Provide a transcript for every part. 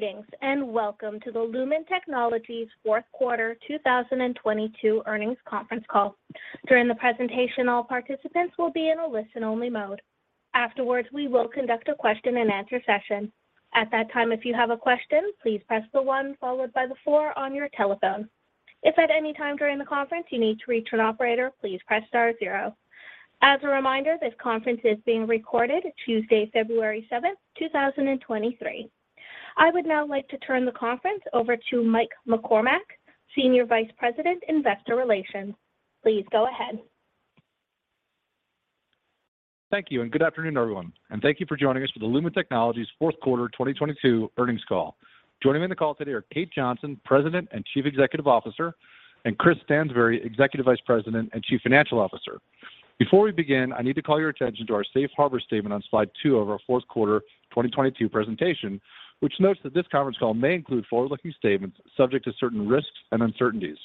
Greetings and welcome to the Lumen Technologies fourth quarter 2022 earnings conference call. During the presentation, all participants will be in a listen-only mode. Afterwards, we will conduct a question-and-answer session. At that time, if you have a question, please press the one followed by the four on your telephone. If at any time during the conference you need to reach an operator, please press star zero. As a reminder, this conference is being recorded Tuesday, February 7, 2023. I would now like to turn the conference over to Mike McCormack, Senior Vice President, Investor Relations. Please go ahead. Thank you. Good afternoon, everyone, and thank you for joining us for the Lumen Technologies fourth quarter 2022 earnings call. Joining me on the call today are Kate Johnson, President and Chief Executive Officer, and Chris Stansbury, Executive Vice President and Chief Financial Officer. Before we begin, I need to call your attention to our safe harbor statement on slide 2 of our fourth quarter 2022 presentation, which notes that this conference call may include forward-looking statements subject to certain risks and uncertainties.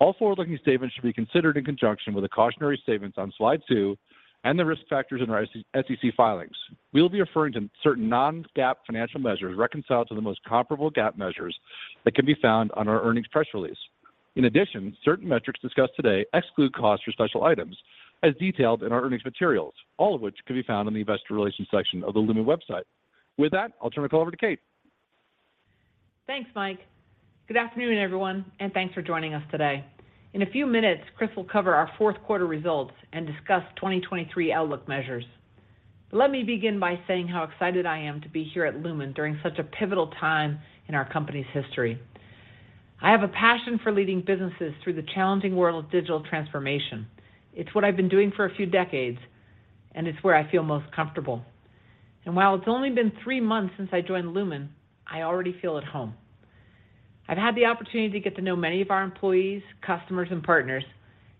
All forward-looking statements should be considered in conjunction with the cautionary statements on slide 2 and the risk factors in our SEC filings. We will be referring to certain non-GAAP financial measures reconciled to the most comparable GAAP measures that can be found on our earnings press release. In addition, certain metrics discussed today exclude costs for special items as detailed in our earnings materials, all of which can be found in the investor relations section of the Lumen website. With that, I'll turn the call over to Kate. Thanks, Mike. Good afternoon, everyone, thanks for joining us today. In a few minutes, Chris will cover our fourth quarter results and discuss 2023 outlook measures. Let me begin by saying how excited I am to be here at Lumen during such a pivotal time in our company's history. I have a passion for leading businesses through the challenging world of digital transformation. It's what I've been doing for a few decades, and it's where I feel most comfortable. While it's only been three months since I joined Lumen, I already feel at home. I've had the opportunity to get to know many of our employees, customers, and partners,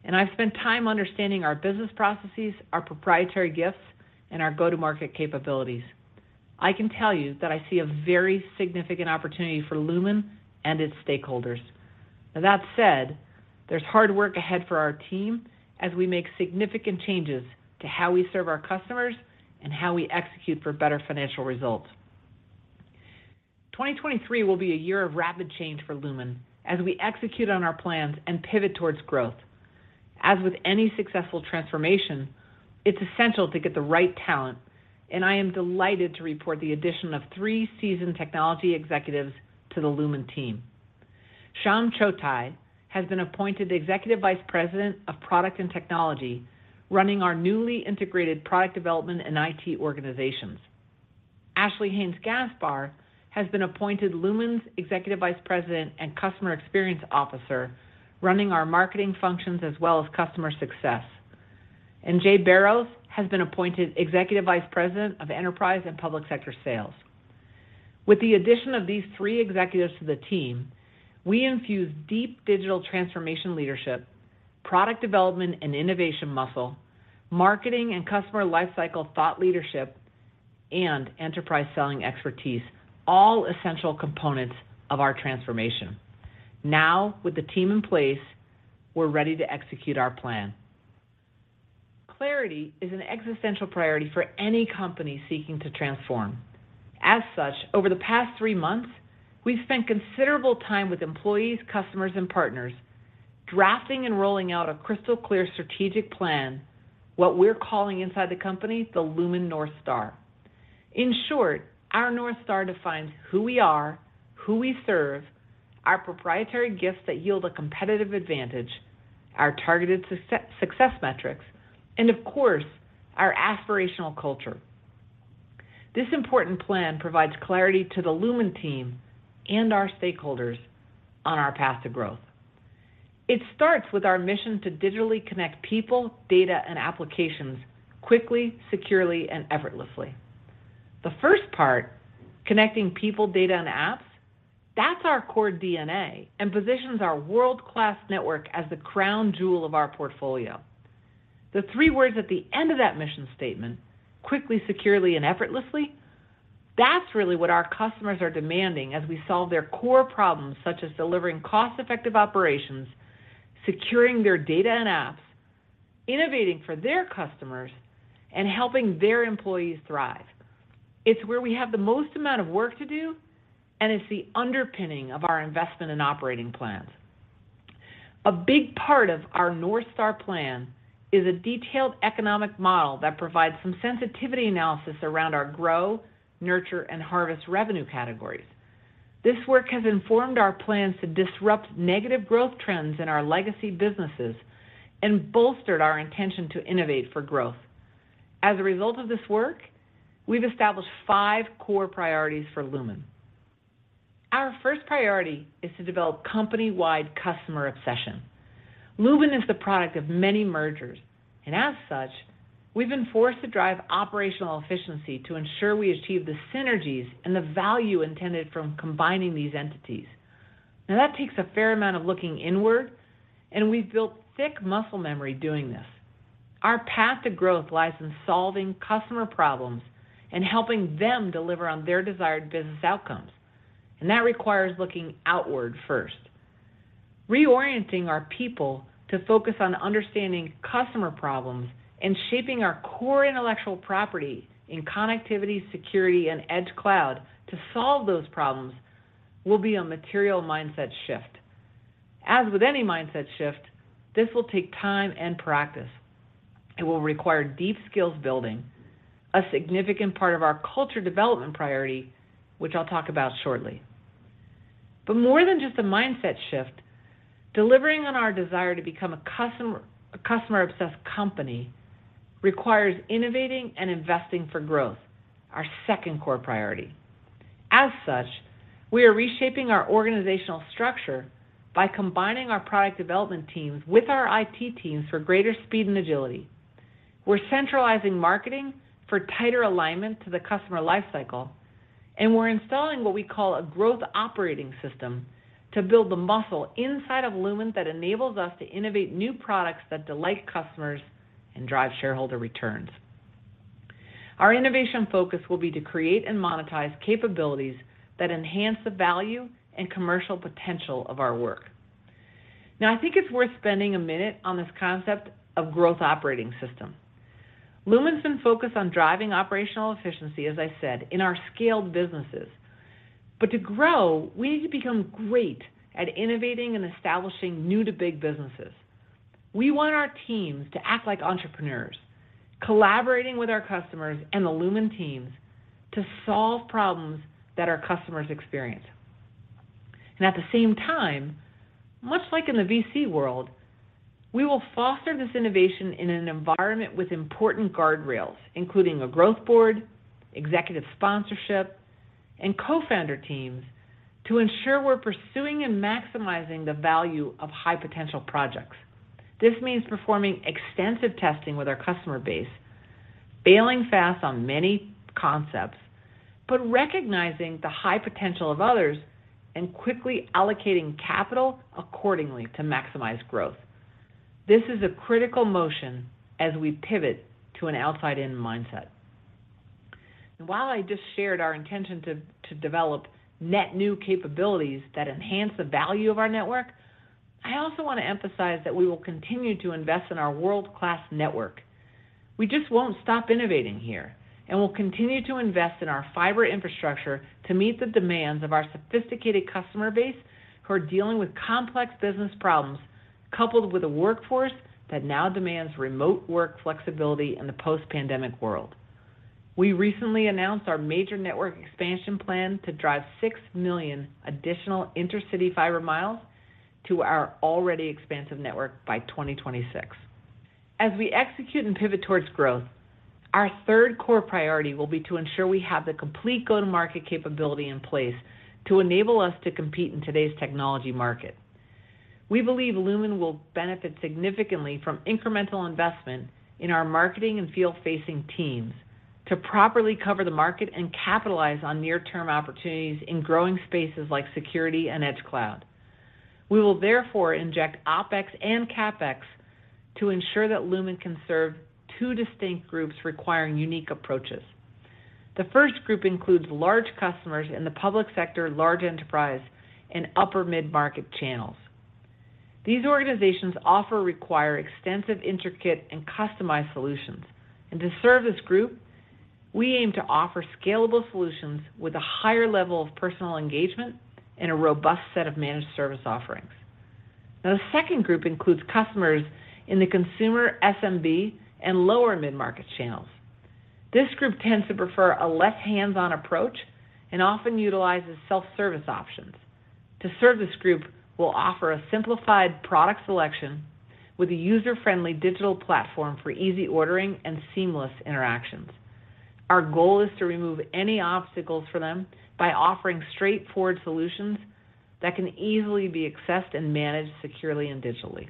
and I've spent time understanding our business processes, our proprietary gifts, and our go-to-market capabilities. I can tell you that I see a very significant opportunity for Lumen and its stakeholders. Now that said, there's hard work ahead for our team as we make significant changes to how we serve our customers and how we execute for better financial results. 2023 will be a year of rapid change for Lumen as we execute on our plans and pivot towards growth. As with any successful transformation, it's essential to get the right talent, and I am delighted to report the addition of three seasoned technology executives to the Lumen team. Shyam Chotai has been appointed Executive Vice President of Product and Technology, running our newly integrated product development and IT organizations. Ashley Haynes-Gaspar has been appointed Lumen's Executive Vice President and Customer Experience Officer, running our marketing functions as well as customer success. Jay Barrows has been appointed Executive Vice President of Enterprise and Public Sector Sales. With the addition of these 3 executives to the team, we infuse deep digital transformation leadership, product development and innovation muscle, marketing and customer lifecycle thought leadership, and enterprise selling expertise, all essential components of our transformation. Now, with the team in place, we're ready to execute our plan. Clarity is an existential priority for any company seeking to transform. As such, over the past 3 months, we've spent considerable time with employees, customers, and partners drafting and rolling out a crystal clear strategic plan, what we're calling inside the company the Lumen North Star. In short, our North Star defines who we are, who we serve, our proprietary gifts that yield a competitive advantage, our targeted success metrics, and of course, our aspirational culture. This important plan provides clarity to the Lumen team and our stakeholders on our path to growth. It starts with our mission to digitally connect people, data, and applications quickly, securely, and effortlessly. The first part, connecting people, data, and apps, that's our core DNA and positions our world-class network as the crown jewel of our portfolio. The three words at the end of that mission statement, quickly, securely, and effortlessly, that's really what our customers are demanding as we solve their core problems such as delivering cost-effective operations, securing their data and apps, innovating for their customers, and helping their employees thrive. It's where we have the most amount of work to do, and it's the underpinning of our investment and operating plans. A big part of our North Star plan is a detailed economic model that provides some sensitivity analysis around our grow, nurture, and harvest revenue categories. This work has informed our plans to disrupt negative growth trends in our legacy businesses and bolstered our intention to innovate for growth. As a result of this work, we've established five core priorities for Lumen. Our first priority is to develop company-wide customer obsession. Lumen is the product of many mergers, and as such, we've been forced to drive operational efficiency to ensure we achieve the synergies and the value intended from combining these entities. Now, that takes a fair amount of looking inward, and we've built thick muscle memory doing this. Our path to growth lies in solving customer problems and helping them deliver on their desired business outcomes, and that requires looking outward first. Reorienting our people to focus on understanding customer problems and shaping our core intellectual property in connectivity, security, and edge cloud to solve those problems will be a material mindset shift. As with any mindset shift, this will take time and practice. It will require deep skills building, a significant part of our culture development priority, which I'll talk about shortly. More than just a mindset shift, delivering on our desire to become a customer-obsessed company requires innovating and investing for growth, our second core priority. As such, we are reshaping our organizational structure by combining our product development teams with our IT teams for greater speed and agility. We're centralizing marketing for tighter alignment to the customer life cycle, and we're installing what we call a growth operating system to build the muscle inside of Lumen that enables us to innovate new products that delight customers and drive shareholder returns. Our innovation focus will be to create and monetize capabilities that enhance the value and commercial potential of our work. I think it's worth spending a minute on this concept of growth operating system. Lumen's been focused on driving operational efficiency, as I said, in our scaled businesses, to grow we need to become great at innovating and establishing new to big businesses. We want our teams to act like entrepreneurs, collaborating with our customers and the Lumen teams to solve problems that our customers experience. At the same time, much like in the VC world, we will foster this innovation in an environment with important guardrails, including a growth board, executive sponsorship and co-founder teams to ensure we're pursuing and maximizing the value of high potential projects. This means performing extensive testing with our customer base, failing fast on many concepts, recognizing the high potential of others and quickly allocating capital accordingly to maximize growth. This is a critical motion as we pivot to an outside in mindset. While I just shared our intention to develop net new capabilities that enhance the value of our network, I also want to emphasize that we will continue to invest in our world-class network. We just won't stop innovating here. We'll continue to invest in our fiber infrastructure to meet the demands of our sophisticated customer base who are dealing with complex business problems, coupled with a workforce that now demands remote work flexibility in the post-pandemic world. We recently announced our major network expansion plan to drive 6 million additional intercity fiber miles to our already expansive network by 2026. As we execute and pivot towards growth, our third core priority will be to ensure we have the complete go-to-market capability in place to enable us to compete in today's technology market. We believe Lumen will benefit significantly from incremental investment in our marketing and field facing teams to properly cover the market and capitalize on near-term opportunities in growing spaces like security and edge cloud. We will therefore inject OpEx and CapEx to ensure that Lumen can serve two distinct groups requiring unique approaches. The first group includes large customers in the public sector, large enterprise and upper mid-market channels. These organizations often require extensive, intricate and customized solutions, to serve this group, we aim to offer scalable solutions with a higher level of personal engagement and a robust set of managed service offerings. The second group includes customers in the consumer SMB and lower mid-market channels. This group tends to prefer a less hands-on approach and often utilizes self-service options. To serve this group, we'll offer a simplified product selection with a user-friendly digital platform for easy ordering and seamless interactions. Our goal is to remove any obstacles for them by offering straightforward solutions that can easily be accessed and managed securely and digitally.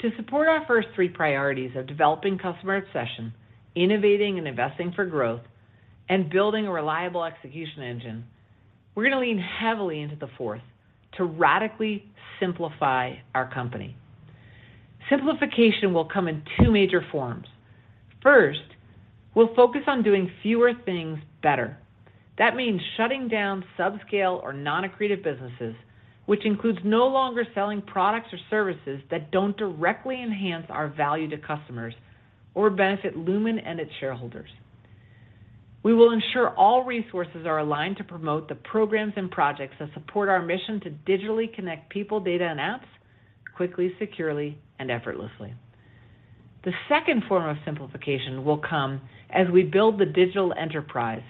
To support our first three priorities of developing customer obsession, innovating and investing for growth, and building a reliable execution engine, we're going to lean heavily into the fourth to radically simplify our company. Simplification will come in two major forms. First, we'll focus on doing fewer things better. That means shutting down subscale or non-accretive businesses, which includes no longer selling products or services that don't directly enhance our value to customers or benefit Lumen and its shareholders. We will ensure all resources are aligned to promote the programs and projects that support our mission to digitally connect people, data and apps quickly, securely and effortlessly. The second form of simplification will come as we build the digital enterprise,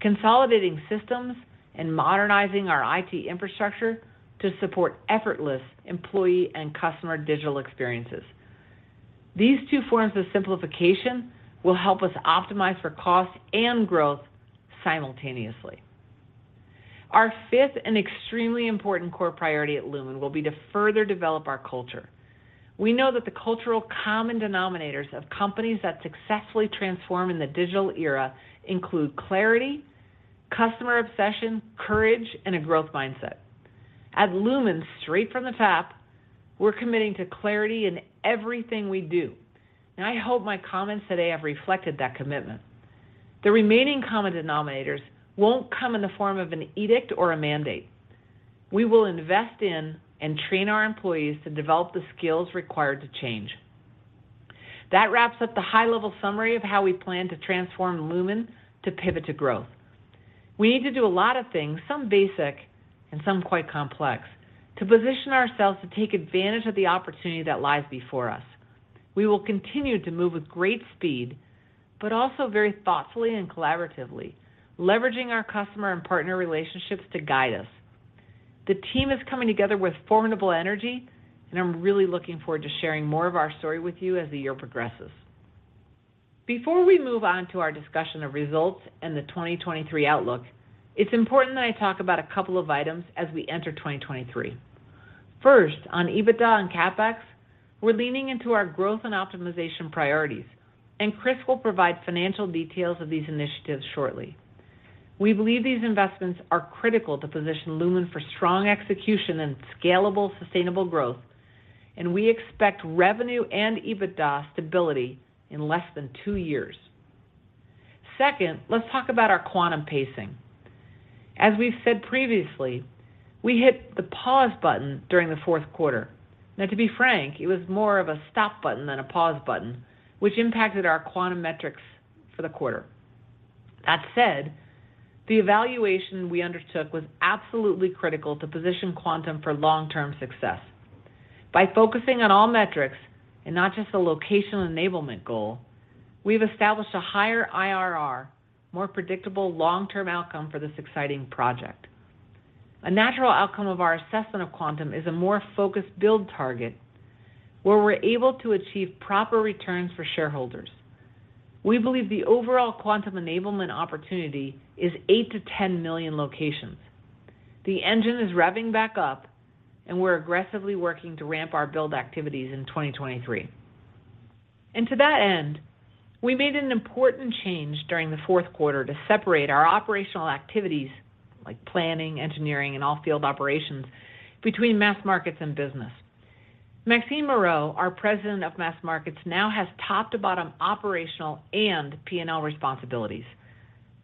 consolidating systems and modernizing our IT infrastructure to support effortless employee and customer digital experiences. These two forms of simplification will help us optimize for cost and growth simultaneously. Our fifth and extremely important core priority at Lumen will be to further develop our culture. We know that the cultural common denominators of companies that successfully transform in the digital era include clarity, customer obsession, courage, and a growth mindset. At Lumen, straight from the top, we're committing to clarity in everything we do, and I hope my comments today have reflected that commitment. The remaining common denominators won't come in the form of an edict or a mandate. We will invest in and train our employees to develop the skills required to change. That wraps up the high-level summary of how we plan to transform Lumen to pivot to growth. We need to do a lot of things, some basic and some quite complex, to position ourselves to take advantage of the opportunity that lies before us. We will continue to move with great speed, but also very thoughtfully and collaboratively, leveraging our customer and partner relationships to guide us. The team is coming together with formidable energy, and I'm really looking forward to sharing more of our story with you as the year progresses. Before we move on to our discussion of results and the 2023 outlook, it's important that I talk about a couple of items as we enter 2023. First, on EBITDA and CapEx, we're leaning into our growth and optimization priorities. Chris will provide financial details of these initiatives shortly. We believe these investments are critical to position Lumen for strong execution and scalable, sustainable growth, and we expect revenue and EBITDA stability in less than 2 years. Second, let's talk about our Quantum pacing. As we've said previously, we hit the pause button during the 4th quarter. Now, to be frank, it was more of a stop button than a pause button, which impacted our Quantum metrics for the quarter. That said, the evaluation we undertook was absolutely critical to position Quantum for long-term success. By focusing on all metrics and not just the location enablement goal, we've established a higher IRR, more predictable long-term outcome for this exciting project. A natural outcome of our assessment of Quantum is a more focused build target where we're able to achieve proper returns for shareholders. We believe the overall Quantum enablement opportunity is 8 million-10 million locations. The engine is revving back up and we're aggressively working to ramp our build activities in 2023. To that end, we made an important change during the fourth quarter to separate our operational activities like planning, engineering, and all field operations between Mass Markets and business. Maxine Moreau, our President of Mass Markets, now has top-to-bottom operational and P&L responsibilities.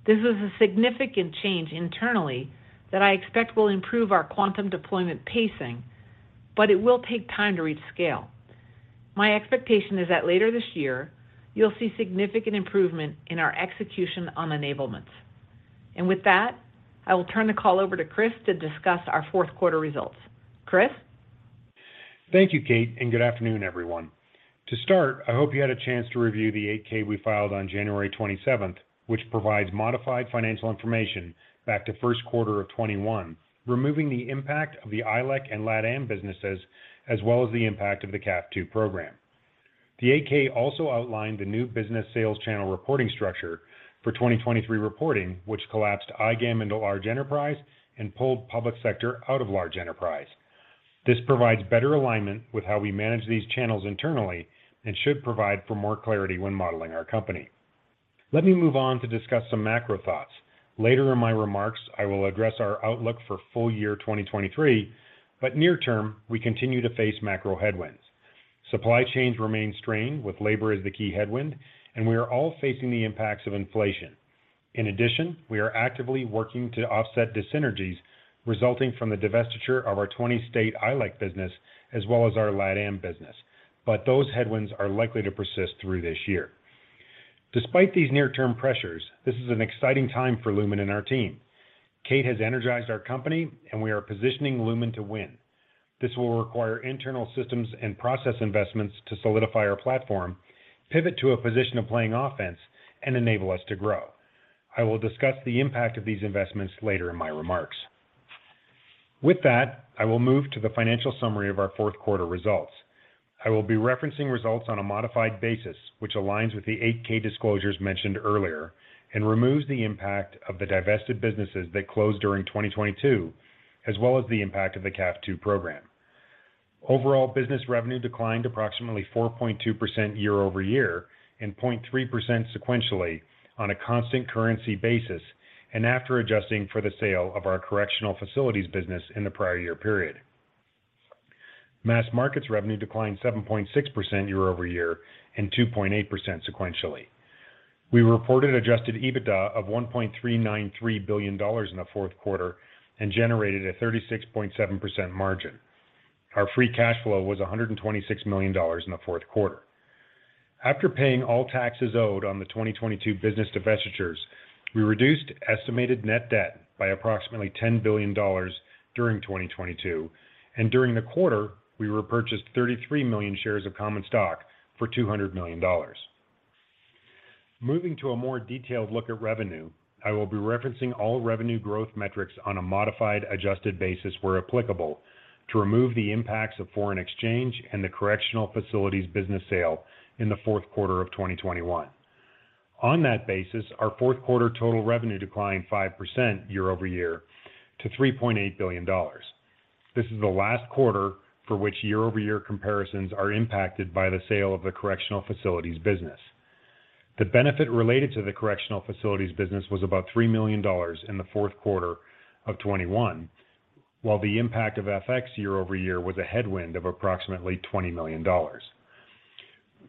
This is a significant change internally that I expect will improve our Quantum deployment pacing, but it will take time to reach scale. My expectation is that later this year you'll see significant improvement in our execution on enablements. With that, I will turn the call over to Chris to discuss our fourth quarter results. Chris? Thank you, Kate, and good afternoon, everyone. To start, I hope you had a chance to review the 8-K we filed on January 27, which provides modified financial information back to first quarter of 2021, removing the impact of the ILEC and LATAM businesses as well as the impact of the CAF II program. The 8-K also outlined the new business sales channel reporting structure for 2023 reporting, which collapsed IGAM into large enterprise and pulled public sector out of large enterprise. This provides better alignment with how we manage these channels internally and should provide for more clarity when modeling our company. Let me move on to discuss some macro thoughts. Later in my remarks, I will address our outlook for full year 2023, but near term, we continue to face macro headwinds. Supply chains remain strained with labor as the key headwind. We are all facing the impacts of inflation. In addition, we are actively working to offset dyssynergies resulting from the divestiture of our 20 state ILEC business as well as our LATAM business, but those headwinds are likely to persist through this year. Despite these near-term pressures, this is an exciting time for Lumen and our team. Kate has energized our company and we are positioning Lumen to win. This will require internal systems and process investments to solidify our platform, pivot to a position of playing offense, and enable us to grow. I will discuss the impact of these investments later in my remarks. With that, I will move to the financial summary of our fourth quarter results. I will be referencing results on a modified basis, which aligns with the 8-K disclosures mentioned earlier and removes the impact of the divested businesses that closed during 2022, as well as the impact of the CAF II program. Overall, business revenue declined approximately 4.2% year-over-year and 0.3% sequentially on a constant currency basis and after adjusting for the sale of our correctional facilities business in the prior year period. Mass markets revenue declined 7.6% year-over-year and 2.8% sequentially. We reported adjusted EBITDA of $1.393 billion in the fourth quarter and generated a 36.7% margin. Our free cash flow was $126 million in the fourth quarter. After paying all taxes owed on the 2022 business divestitures, we reduced estimated net debt by approximately $10 billion during 2022. During the quarter, we repurchased 33 million shares of common stock for $200 million. Moving to a more detailed look at revenue, I will be referencing all revenue growth metrics on a modified adjusted basis where applicable to remove the impacts of foreign exchange and the correctional facilities business sale in the fourth quarter of 2021. On that basis, our fourth quarter total revenue declined 5% year-over-year to $3.8 billion. This is the last quarter for which year-over-year comparisons are impacted by the sale of the correctional facilities business. The benefit related to the correctional facilities business was about $3 million in the fourth quarter of 2021. While the impact of FX year-over-year was a headwind of approximately $20 million.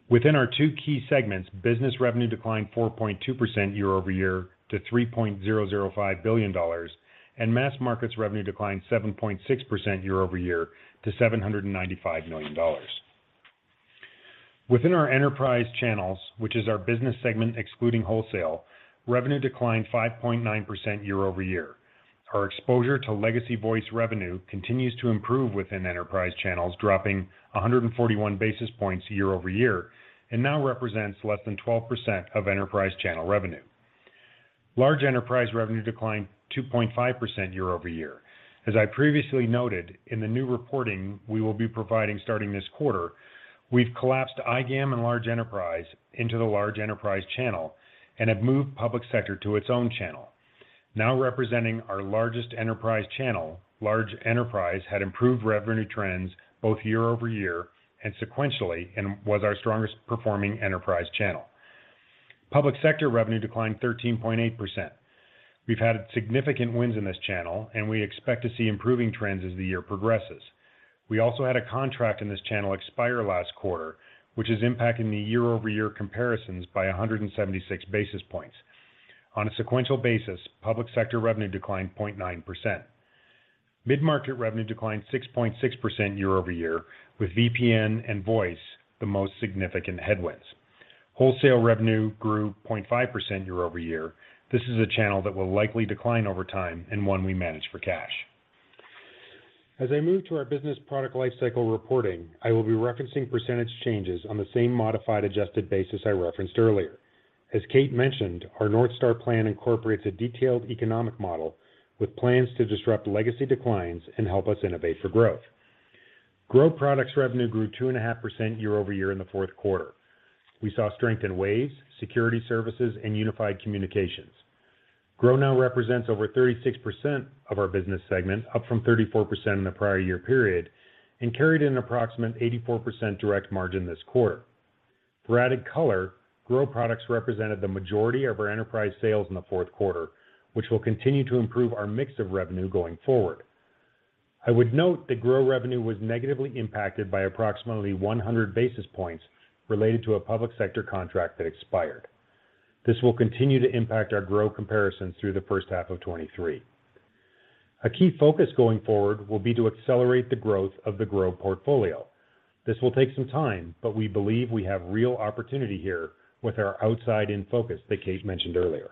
Within our two key segments, business revenue declined 4.2% year-over-year to $3.005 billion, and Mass Markets revenue declined 7.6% year-over-year to $795 million. Within our enterprise channels, which is our business segment excluding wholesale, revenue declined 5.9% year-over-year. Our exposure to legacy voice revenue continues to improve within enterprise channels, dropping 141 basis points year-over-year and now represents less than 12% of enterprise channel revenue. Large enterprise revenue declined 2.5% year-over-year. As I previously noted, in the new reporting we will be providing starting this quarter, we've collapsed IGAM and large enterprise into the large enterprise channel and have moved public sector to its own channel. Now representing our largest enterprise channel, large enterprise had improved revenue trends both year-over-year and sequentially and was our strongest performing enterprise channel. Public sector revenue declined 13.8%. We've had significant wins in this channel, and we expect to see improving trends as the year progresses. We also had a contract in this channel expire last quarter, which is impacting the year-over-year comparisons by 176 basis points. On a sequential basis, public sector revenue declined 0.9%. Mid-market revenue declined 6.6% year-over-year, with VPN and voice the most significant headwinds. Wholesale revenue grew 0.5% year-over-year. This is a channel that will likely decline over time and one we manage for cash. As I move to our business product lifecycle reporting, I will be referencing percentage changes on the same modified adjusted basis I referenced earlier. As Kate mentioned, our North Star plan incorporates a detailed economic model with plans to disrupt legacy declines and help us innovate for growth. Grow products revenue grew 2.5% year-over-year in the fourth quarter. We saw strength in waves, security services, and unified communications. Grow now represents over 36% of our business segment, up from 34% in the prior year period, and carried an approximate 84% direct margin this quarter. For added color, Grow products represented the majority of our enterprise sales in the fourth quarter, which will continue to improve our mix of revenue going forward. I would note that Grow revenue was negatively impacted by approximately 100 basis points related to a public sector contract that expired. This will continue to impact our Grow comparisons through the first half of 23. A key focus going forward will be to accelerate the growth of the Grow portfolio. This will take some time, but we believe we have real opportunity here with our outside-in focus that Kate mentioned earlier.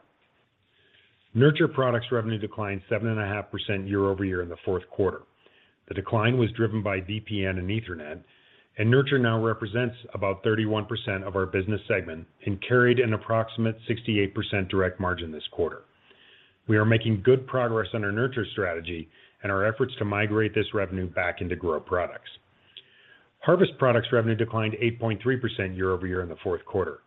Nurture products revenue declined 7.5% year-over-year in the fourth quarter. The decline was driven by VPN and Ethernet, and Nurture now represents about 31% of our business segment and carried an approximate 68% direct margin this quarter. We are making good progress on our Nurture strategy and our efforts to migrate this revenue back into Grow products. Harvest products revenue declined 8.3% year-over-year in the fourth quarter.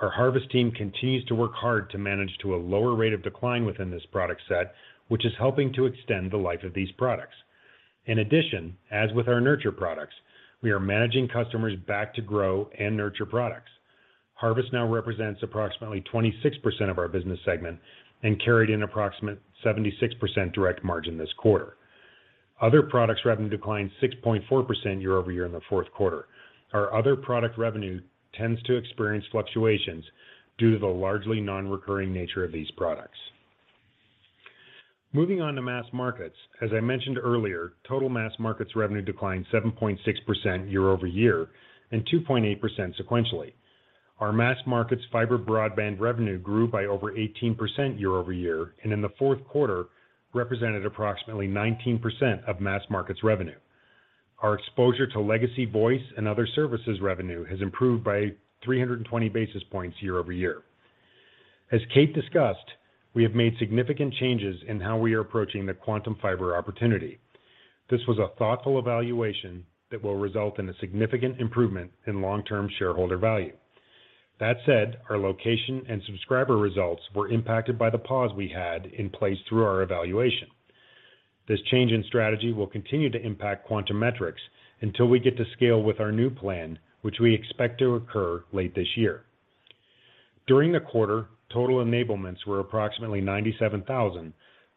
Our Harvest team continues to work hard to manage to a lower rate of decline within this product set, which is helping to extend the life of these products. In addition, as with our Nurture products, we are managing customers back to Grow and Nurture products. Harvest now represents approximately 26% of our business segment and carried an approximate 76% direct margin this quarter. Other products revenue declined 6.4% year-over-year in the fourth quarter. Our other product revenue tends to experience fluctuations due to the largely non-recurring nature of these products. Moving on to Mass Markets. As I mentioned earlier, total mass markets revenue declined 7.6% year-over-year and 2.8% sequentially. Our mass markets fiber broadband revenue grew by over 18% year-over-year and in the fourth quarter represented approximately 19% of mass markets revenue. Our exposure to legacy voice and other services revenue has improved by 320 basis points year-over-year. As Kate discussed, we have made significant changes in how we are approaching the Quantum Fiber opportunity. This was a thoughtful evaluation that will result in a significant improvement in long-term shareholder value. That said, our location and subscriber results were impacted by the pause we had in place through our evaluation. This change in strategy will continue to impact Quantum metrics until we get to scale with our new plan, which we expect to occur late this year. During the quarter, total enablements were approximately 97,000,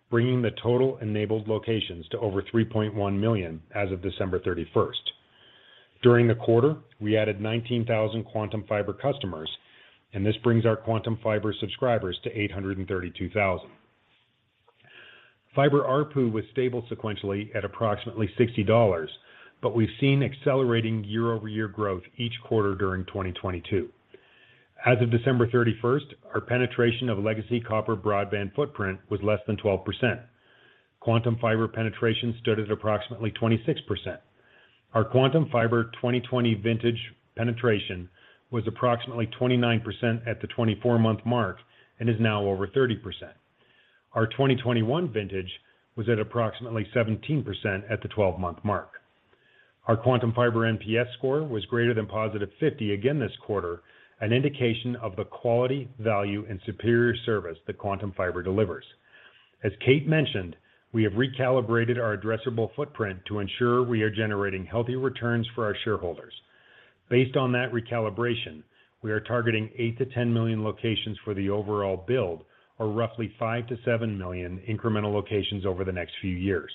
bringing the total enabled locations to over 3.1 million as of December 31st. During the quarter, we added 19,000 Quantum Fiber customers. This brings our Quantum Fiber subscribers to 832,000. Fiber ARPU was stable sequentially at approximately $60. We've seen accelerating year-over-year growth each quarter during 2022. As of December 31st, our penetration of legacy copper broadband footprint was less than 12%. Quantum Fiber penetration stood at approximately 26%. Our Quantum Fiber 2020 vintage penetration was approximately 29% at the 24-month mark and is now over 30%. Our 2021 vintage was at approximately 17% at the 12-month mark. Our Quantum Fiber NPS score was greater than +50 again this quarter, an indication of the quality, value, and superior service that Quantum Fiber delivers. As Kate mentioned, we have recalibrated our addressable footprint to ensure we are generating healthy returns for our shareholders. Based on that recalibration, we are targeting 8 million-10 million locations for the overall build, or roughly 5 million-7 million incremental locations over the next few years.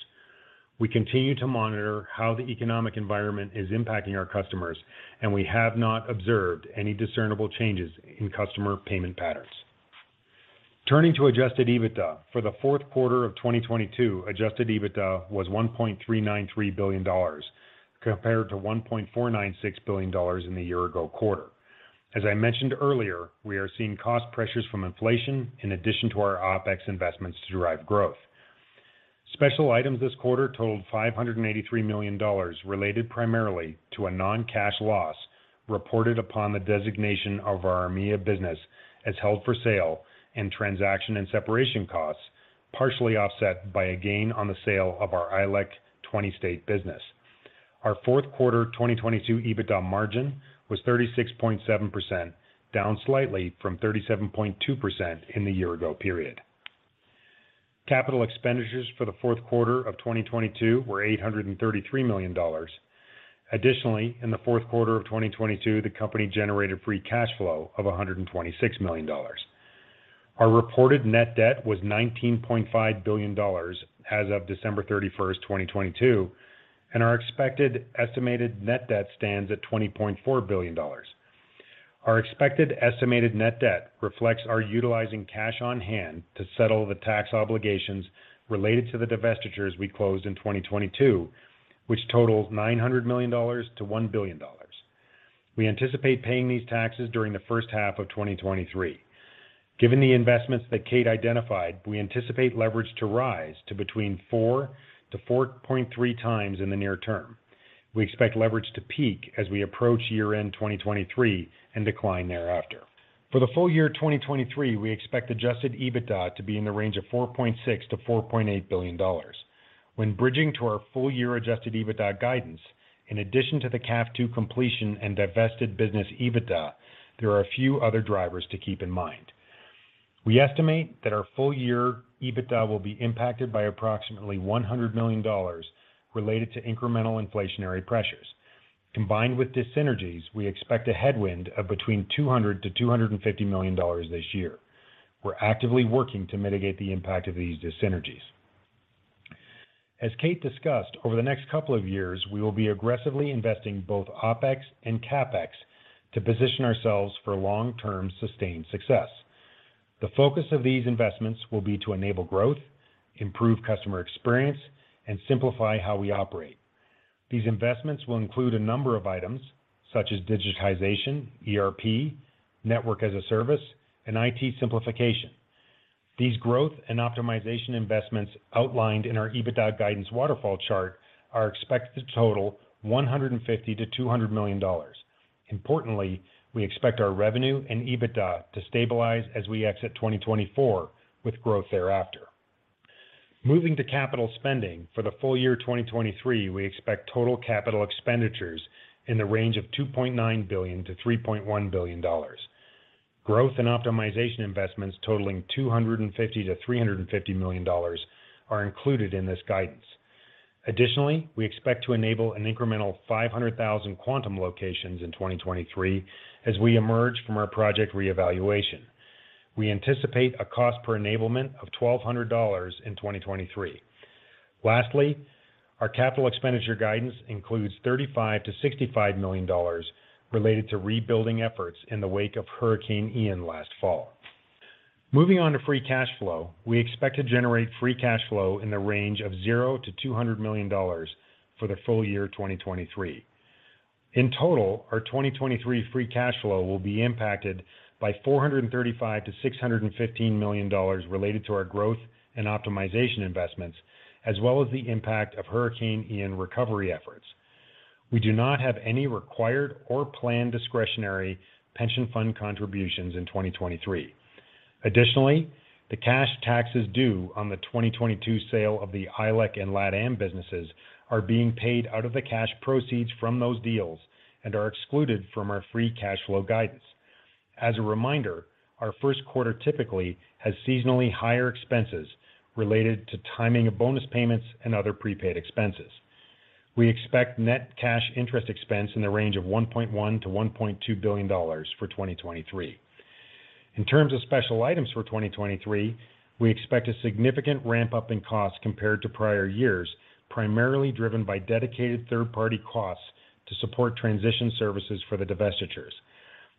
We continue to monitor how the economic environment is impacting our customers, and we have not observed any discernible changes in customer payment patterns. Turning to adjusted EBITDA for the fourth quarter of 2022, adjusted EBITDA was $1.393 billion compared to $1.496 billion in the year ago quarter. As I mentioned earlier, we are seeing cost pressures from inflation in addition to our OpEx investments to drive growth. Special items this quarter totaled $583 million related primarily to a non-cash loss reported upon the designation of our EMEA business as held for sale and transaction and separation costs, partially offset by a gain on the sale of our ILEC 20-state business. Our fourth quarter 2022 EBITDA margin was 36.7%, down slightly from 37.2% in the year-ago period. Capital expenditures for the fourth quarter of 2022 were $833 million. In the fourth quarter of 2022, the company generated free cash flow of $126 million. Our reported net debt was $19.5 billion as of December 31, 2022, and our expected estimated net debt stands at $20.4 billion. Our expected estimated net debt reflects our utilizing cash on hand to settle the tax obligations related to the divestitures we closed in 2022, which totals $900 million-$1 billion. We anticipate paying these taxes during the first half of 2023. Given the investments that Kate identified, we anticipate leverage to rise to between 4 to 4.3 times in the near term. We expect leverage to peak as we approach year-end 2023 and decline thereafter. For the full year 2023, we expect adjusted EBITDA to be in the range of $4.6 billion-$4.8 billion. When bridging to our full year adjusted EBITDA guidance, in addition to the CAF II completion and divested business EBITDA, there are a few other drivers to keep in mind. We estimate that our full year EBITDA will be impacted by approximately $100 million related to incremental inflationary pressures. Combined with dyssynergies, we expect a headwind of between $200 million-$250 million this year. We're actively working to mitigate the impact of these dyssynergies. As Kate discussed, over the next couple of years, we will be aggressively investing both OpEx and CapEx to position ourselves for long-term sustained success. The focus of these investments will be to enable growth, improve customer experience, and simplify how we operate. These investments will include a number of items such as digitization, ERP, Network as a Service, and IT simplification. These growth and optimization investments outlined in our EBITDA guidance waterfall chart are expected to total $150 million-$200 million. Importantly, we expect our revenue and EBITDA to stabilize as we exit 2024 with growth thereafter. Moving to capital spending for the full year 2023, we expect total capital expenditures in the range of $2.9 billion-$3.1 billion. Growth and optimization investments totaling $250 million-$350 million are included in this guidance. Additionally, we expect to enable an incremental 500,000 Quantum locations in 2023 as we emerge from our project reevaluation. We anticipate a cost per enablement of $1,200 in 2023. Lastly, our capital expenditure guidance includes $35 million-$65 million related to rebuilding efforts in the wake of Hurricane Ian last fall. Moving on to free cash flow. We expect to generate free cash flow in the range of 0 to $200 million for the full year 2023. In total, our 2023 free cash flow will be impacted by $435 million-$615 million related to our growth and optimization investments, as well as the impact of Hurricane Ian recovery efforts. We do not have any required or planned discretionary pension fund contributions in 2023. Additionally, the cash taxes due on the 2022 sale of the ILEC and LATAM businesses are being paid out of the cash proceeds from those deals and are excluded from our free cash flow guidance. As a reminder, our first quarter typically has seasonally higher expenses related to timing of bonus payments and other prepaid expenses. We expect net cash interest expense in the range of $1.1 billion-$1.2 billion for 2023. In terms of special items for 2023, we expect a significant ramp-up in costs compared to prior years, primarily driven by dedicated third-party costs to support transition services for the divestitures.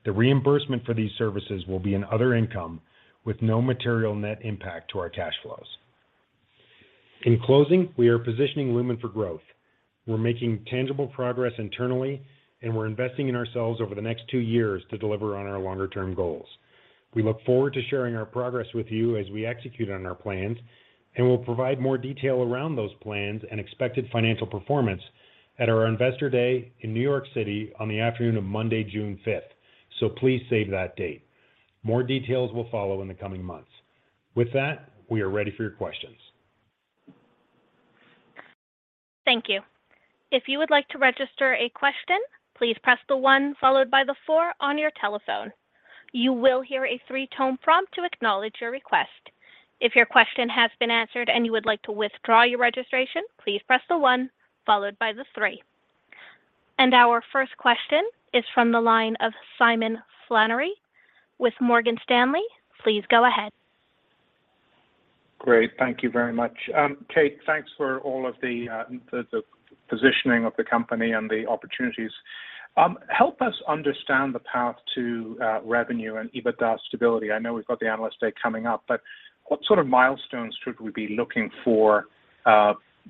The reimbursement for these services will be in other income with no material net impact to our cash flows. In closing, we are positioning Lumen for growth. We're making tangible progress internally, and we're investing in ourselves over the next two years to deliver on our longer-term goals. We look forward to sharing our progress with you as we execute on our plans, and we'll provide more detail around those plans and expected financial performance at our Investor Day in New York City on the afternoon of Monday June 5th. Please save that date. More details will follow in the coming months. With that, we are ready for your questions. Thank you. If you would like to register a question, please press the one followed by the four on your telephone. You will hear a three-tone prompt to acknowledge your request. If your question has been answered and you would like to withdraw your registration, please press the one followed by the three. Our first question is from the line of Simon Flannery with Morgan Stanley. Please go ahead. Great. Thank you very much. Kate, thanks for all of the, the positioning of the company and the opportunities. Help us understand the path to revenue and EBITDA stability. I know we've got the Analyst Day coming up, but what sort of milestones should we be looking for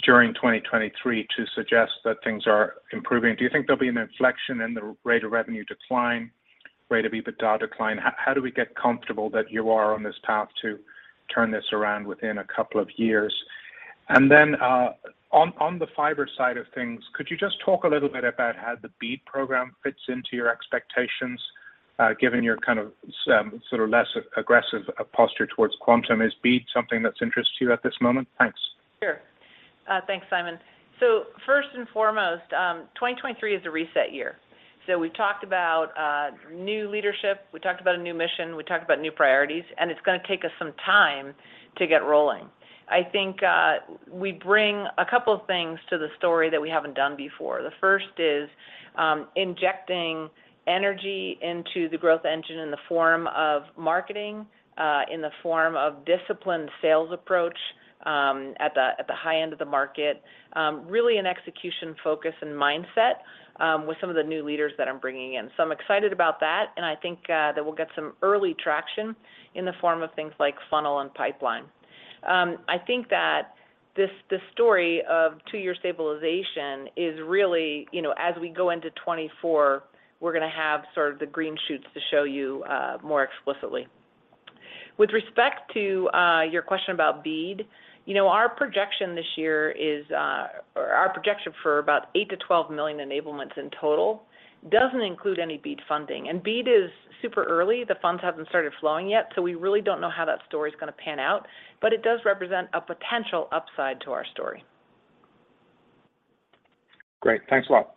during 2023 to suggest that things are improving? Do you think there'll be an inflection in the rate of revenue decline, rate of EBITDA decline? How, how do we get comfortable that you are on this path to turn this around within a couple of years? On, on the fiber side of things, could you just talk a little bit about how the BEAD program fits into your expectations, given your kind of sort of less aggressive posture towards Quantum is BEAD something that's of interest to you at this moment? Thanks. Sure. Thanks, Simon. First and foremost, 2023 is a reset year. We've talked about new leadership, we talked about a new mission, we talked about new priorities, and it's gonna take us some time to get rolling. I think we bring a couple of things to the story that we haven't done before. The first is injecting energy into the growth engine in the form of marketing, in the form of disciplined sales approach, at the high end of the market, really an execution focus and mindset with some of the new leaders that I'm bringing in. I'm excited about that, and I think that we'll get some early traction in the form of things like funnel and pipeline. I think that this story of two-year stabilization is really, you know, as we go into 2024, we're gonna have sort of the green shoots to show you more explicitly. With respect to your question about BEAD, you know, our projection this year is or our projection for about 8 million-12 million enablements in total doesn't include any BEAD funding. BEAD is super early. The funds haven't started flowing yet, so we really don't know how that story's gonna pan out. It does represent a potential upside to our story. Great. Thanks a lot.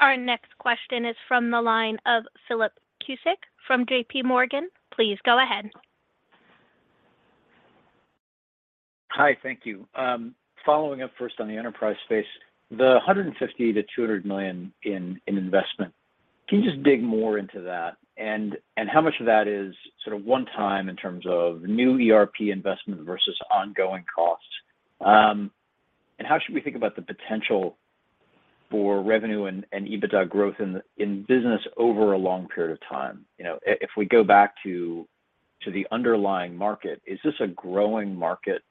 Our next question is from the line of Philip Cusick from JPMorgan. Please go ahead. Hi, thank you. Following up first on the enterprise space. The $150 million-$200 million in investment, can you just dig more into that and how much of that is sort of one time in terms of new ERP investment versus ongoing costs? How should we think about the potential for revenue and EBITDA growth in business over a long period of time? You know, if we go back to the underlying market, is this a growing market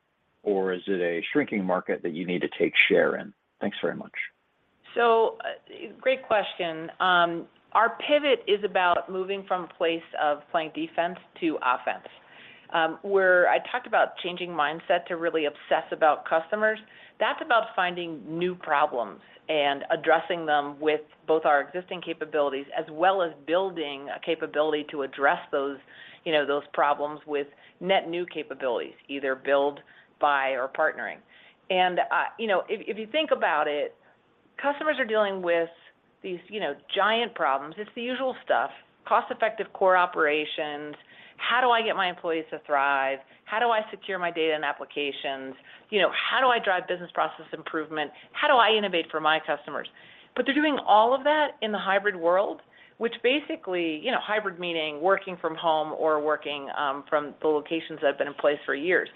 or is it a shrinking market that you need to take share in? Thanks very much. Great question. Our pivot is about moving from a place of playing defense to offense, where I talked about changing mindset to really obsess about customers. That's about finding new problems and addressing them with both our existing capabilities as well as building a capability to address those, you know, those problems with net new capabilities, either build, buy or partnering. You know, if you think about it, customers are dealing with these, you know, giant problems. It's the usual stuff, cost-effective core operations. How do I get my employees to thrive? How do I secure my data and applications? You know, how do I drive business process improvement? How do I innovate for my customers? They're doing all of that in the hybrid world, which basically... You know, hybrid meaning working from home or working from the locations that have been in place for years.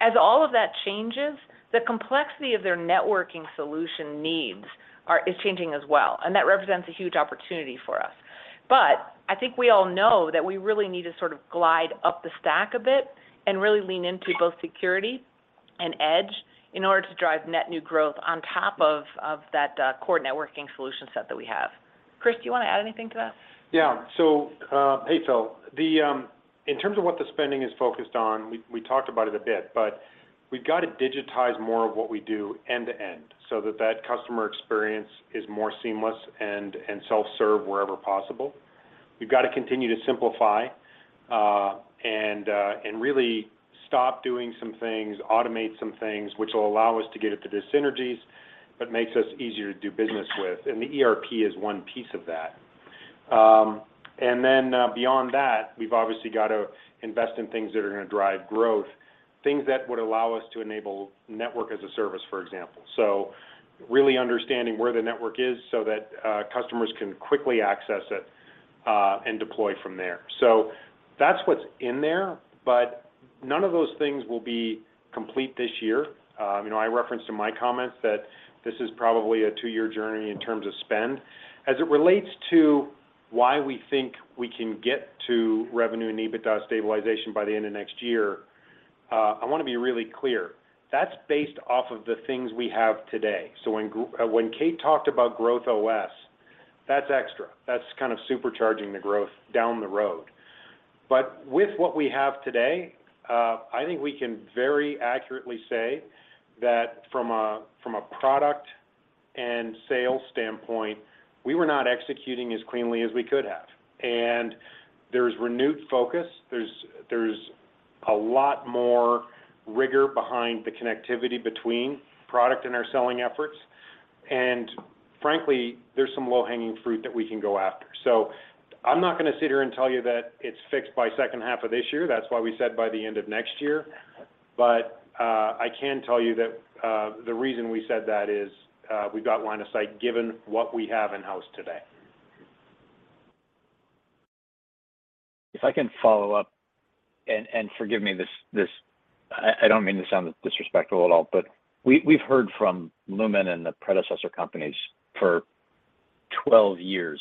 As all of that changes, the complexity of their networking solution needs is changing as well, and that represents a huge opportunity for us. I think we all know that we really need to sort of glide up the stack a bit and really lean into both security and edge in order to drive net new growth on top of that core networking solution set that we have. Chris, do you want to add anything to that? Hey, Phil. In terms of what the spending is focused on, we talked about it a bit, but we've got to digitize more of what we do end to end so that customer experience is more seamless and self-serve wherever possible. We've got to continue to simplify and really stop doing some things, automate some things, which will allow us to get at the synergies that makes us easier to do business with. The ERP is one piece of that. Beyond that, we've obviously got to invest in things that are gonna drive growth, things that would allow us to enable Network as a Service, for example. Really understanding where the network is so that customers can quickly access it and deploy from there. That's what's in there, but none of those things will be complete this year. You know, I referenced in my comments that this is probably a two-year journey in terms of spend. As it relates to why we think we can get to revenue and EBITDA stabilization by the end of next year, I wanna be really clear. That's based off of the things we have today. When Kate talked about growth OS, that's extra. That's kind of supercharging the growth down the road. With what we have today, I think we can very accurately say that from a, from a product and sales standpoint, we were not executing as cleanly as we could have. There's renewed focus. There's a lot more rigor behind the connectivity between product and our selling efforts. Frankly, there's some low-hanging fruit that we can go after. I'm not gonna sit here and tell you that it's fixed by second half of this year. That's why we said by the end of next year. I can tell you that the reason we said that is we've got line of sight given what we have in-house today. If I can follow up, and forgive me, I don't mean to sound disrespectful at all, we've heard from Lumen and the predecessor companies for 12 years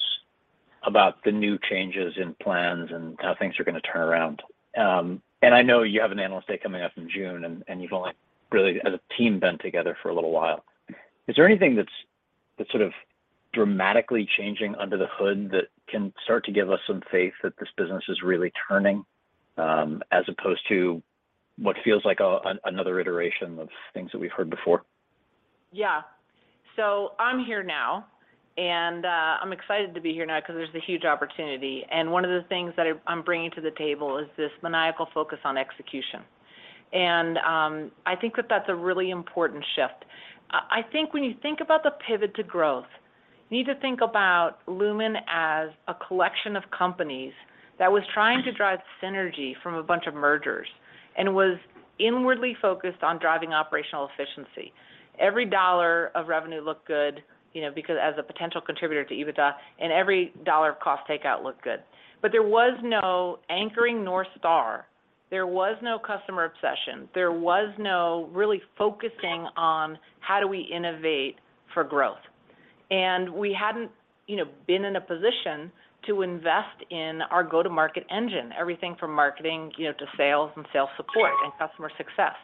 about the new changes in plans and how things are gonna turn around. I know you have an Analyst Day coming up in June and you've only really as a team been together for a little while. Is there anything that's sort of dramatically changing under the hood that can start to give us some faith that this business is really turning as opposed to what feels like another iteration of things that we've heard before? Yeah. I'm here now, and I'm excited to be here now 'cause there's a huge opportunity. One of the things that I'm bringing to the table is this maniacal focus on execution. I think that that's a really important shift. I think when you think about the pivot to growth, you need to think about Lumen as a collection of companies that was trying to drive synergy from a bunch of mergers and was inwardly focused on driving operational efficiency. Every dollar of revenue looked good, you know, because as a potential contributor to EBITDA, and every dollar of cost takeout looked good. There was no anchoring North Star. There was no customer obsession. There was no really focusing on how do we innovate for growth. We hadn't, you know, been in a position to invest in our go-to-market engine, everything from marketing, you know, to sales and sales support and customer success.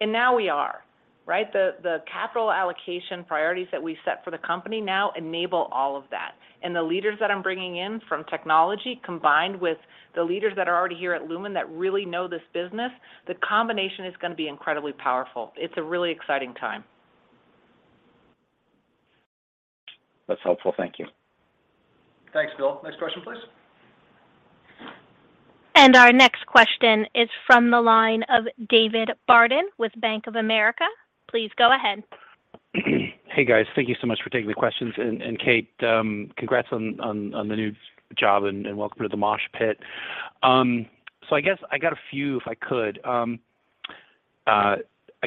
Now we are, right? The capital allocation priorities that we set for the company now enable all of that. The leaders that I'm bringing in from technology, combined with the leaders that are already here at Lumen that really know this business, the combination is gonna be incredibly powerful. It's a really exciting time. That's helpful. Thank you. Thanks, Bill. Next question, please. Our next question is from the line of David Barden with Bank of America. Please go ahead. Hey, guys. Thank you so much for taking the questions. Kate, congrats on the new job and welcome to the mosh pit. I guess I got a few if I could. I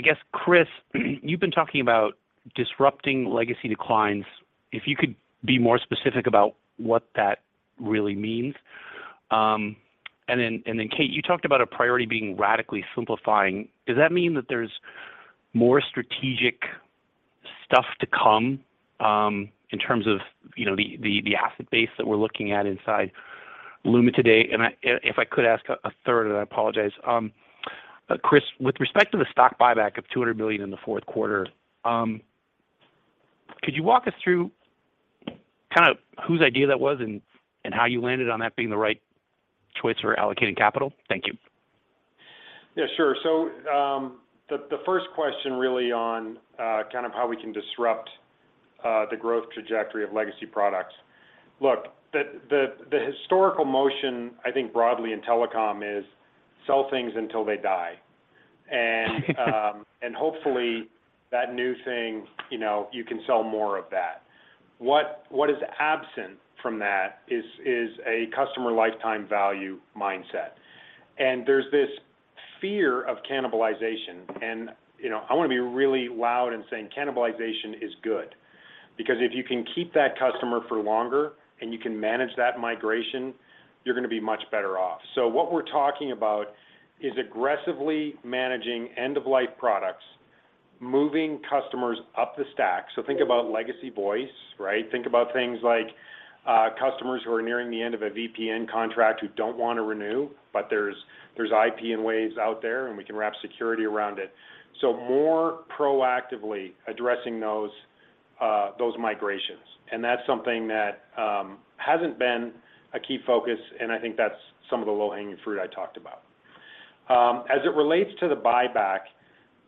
guess, Chris, you've been talking about disrupting legacy declines. If you could be more specific about what that really means. Then Kate, you talked about a priority being radically simplifying. Does that mean that there's more strategic stuff to come, in terms of, you know, the asset base that we're looking at inside Lumen today? If I could ask a third, and I apologize. Chris, with respect to the stock buyback of $200 million in the fourth quarter, could you walk us through kind of whose idea that was and how you landed on that being the right choice for allocating capital? Thank you. Yeah, sure. The first question really on kind of how we can disrupt the growth trajectory of legacy products. Look, the historical motion, I think broadly in telecom is sell things until they die. Hopefully that new thing, you know, you can sell more of that. What is absent from that is a customer lifetime value mindset. There's this fear of cannibalization and, you know, I wanna be really loud in saying cannibalization is good, because if you can keep that customer for longer and you can manage that migration, you're gonna be much better off. What we're talking about is aggressively managing end-of-life products, moving customers up the stack. Think about legacy voice, right? Think about things like customers who are nearing the end of a VPN contract who don't want to renew, but there's IP in waves out there, and we can wrap security around it. More proactively addressing those those migrations. That's something that hasn't been a key focus, and I think that's some of the low-hanging fruit I talked about. As it relates to the buyback,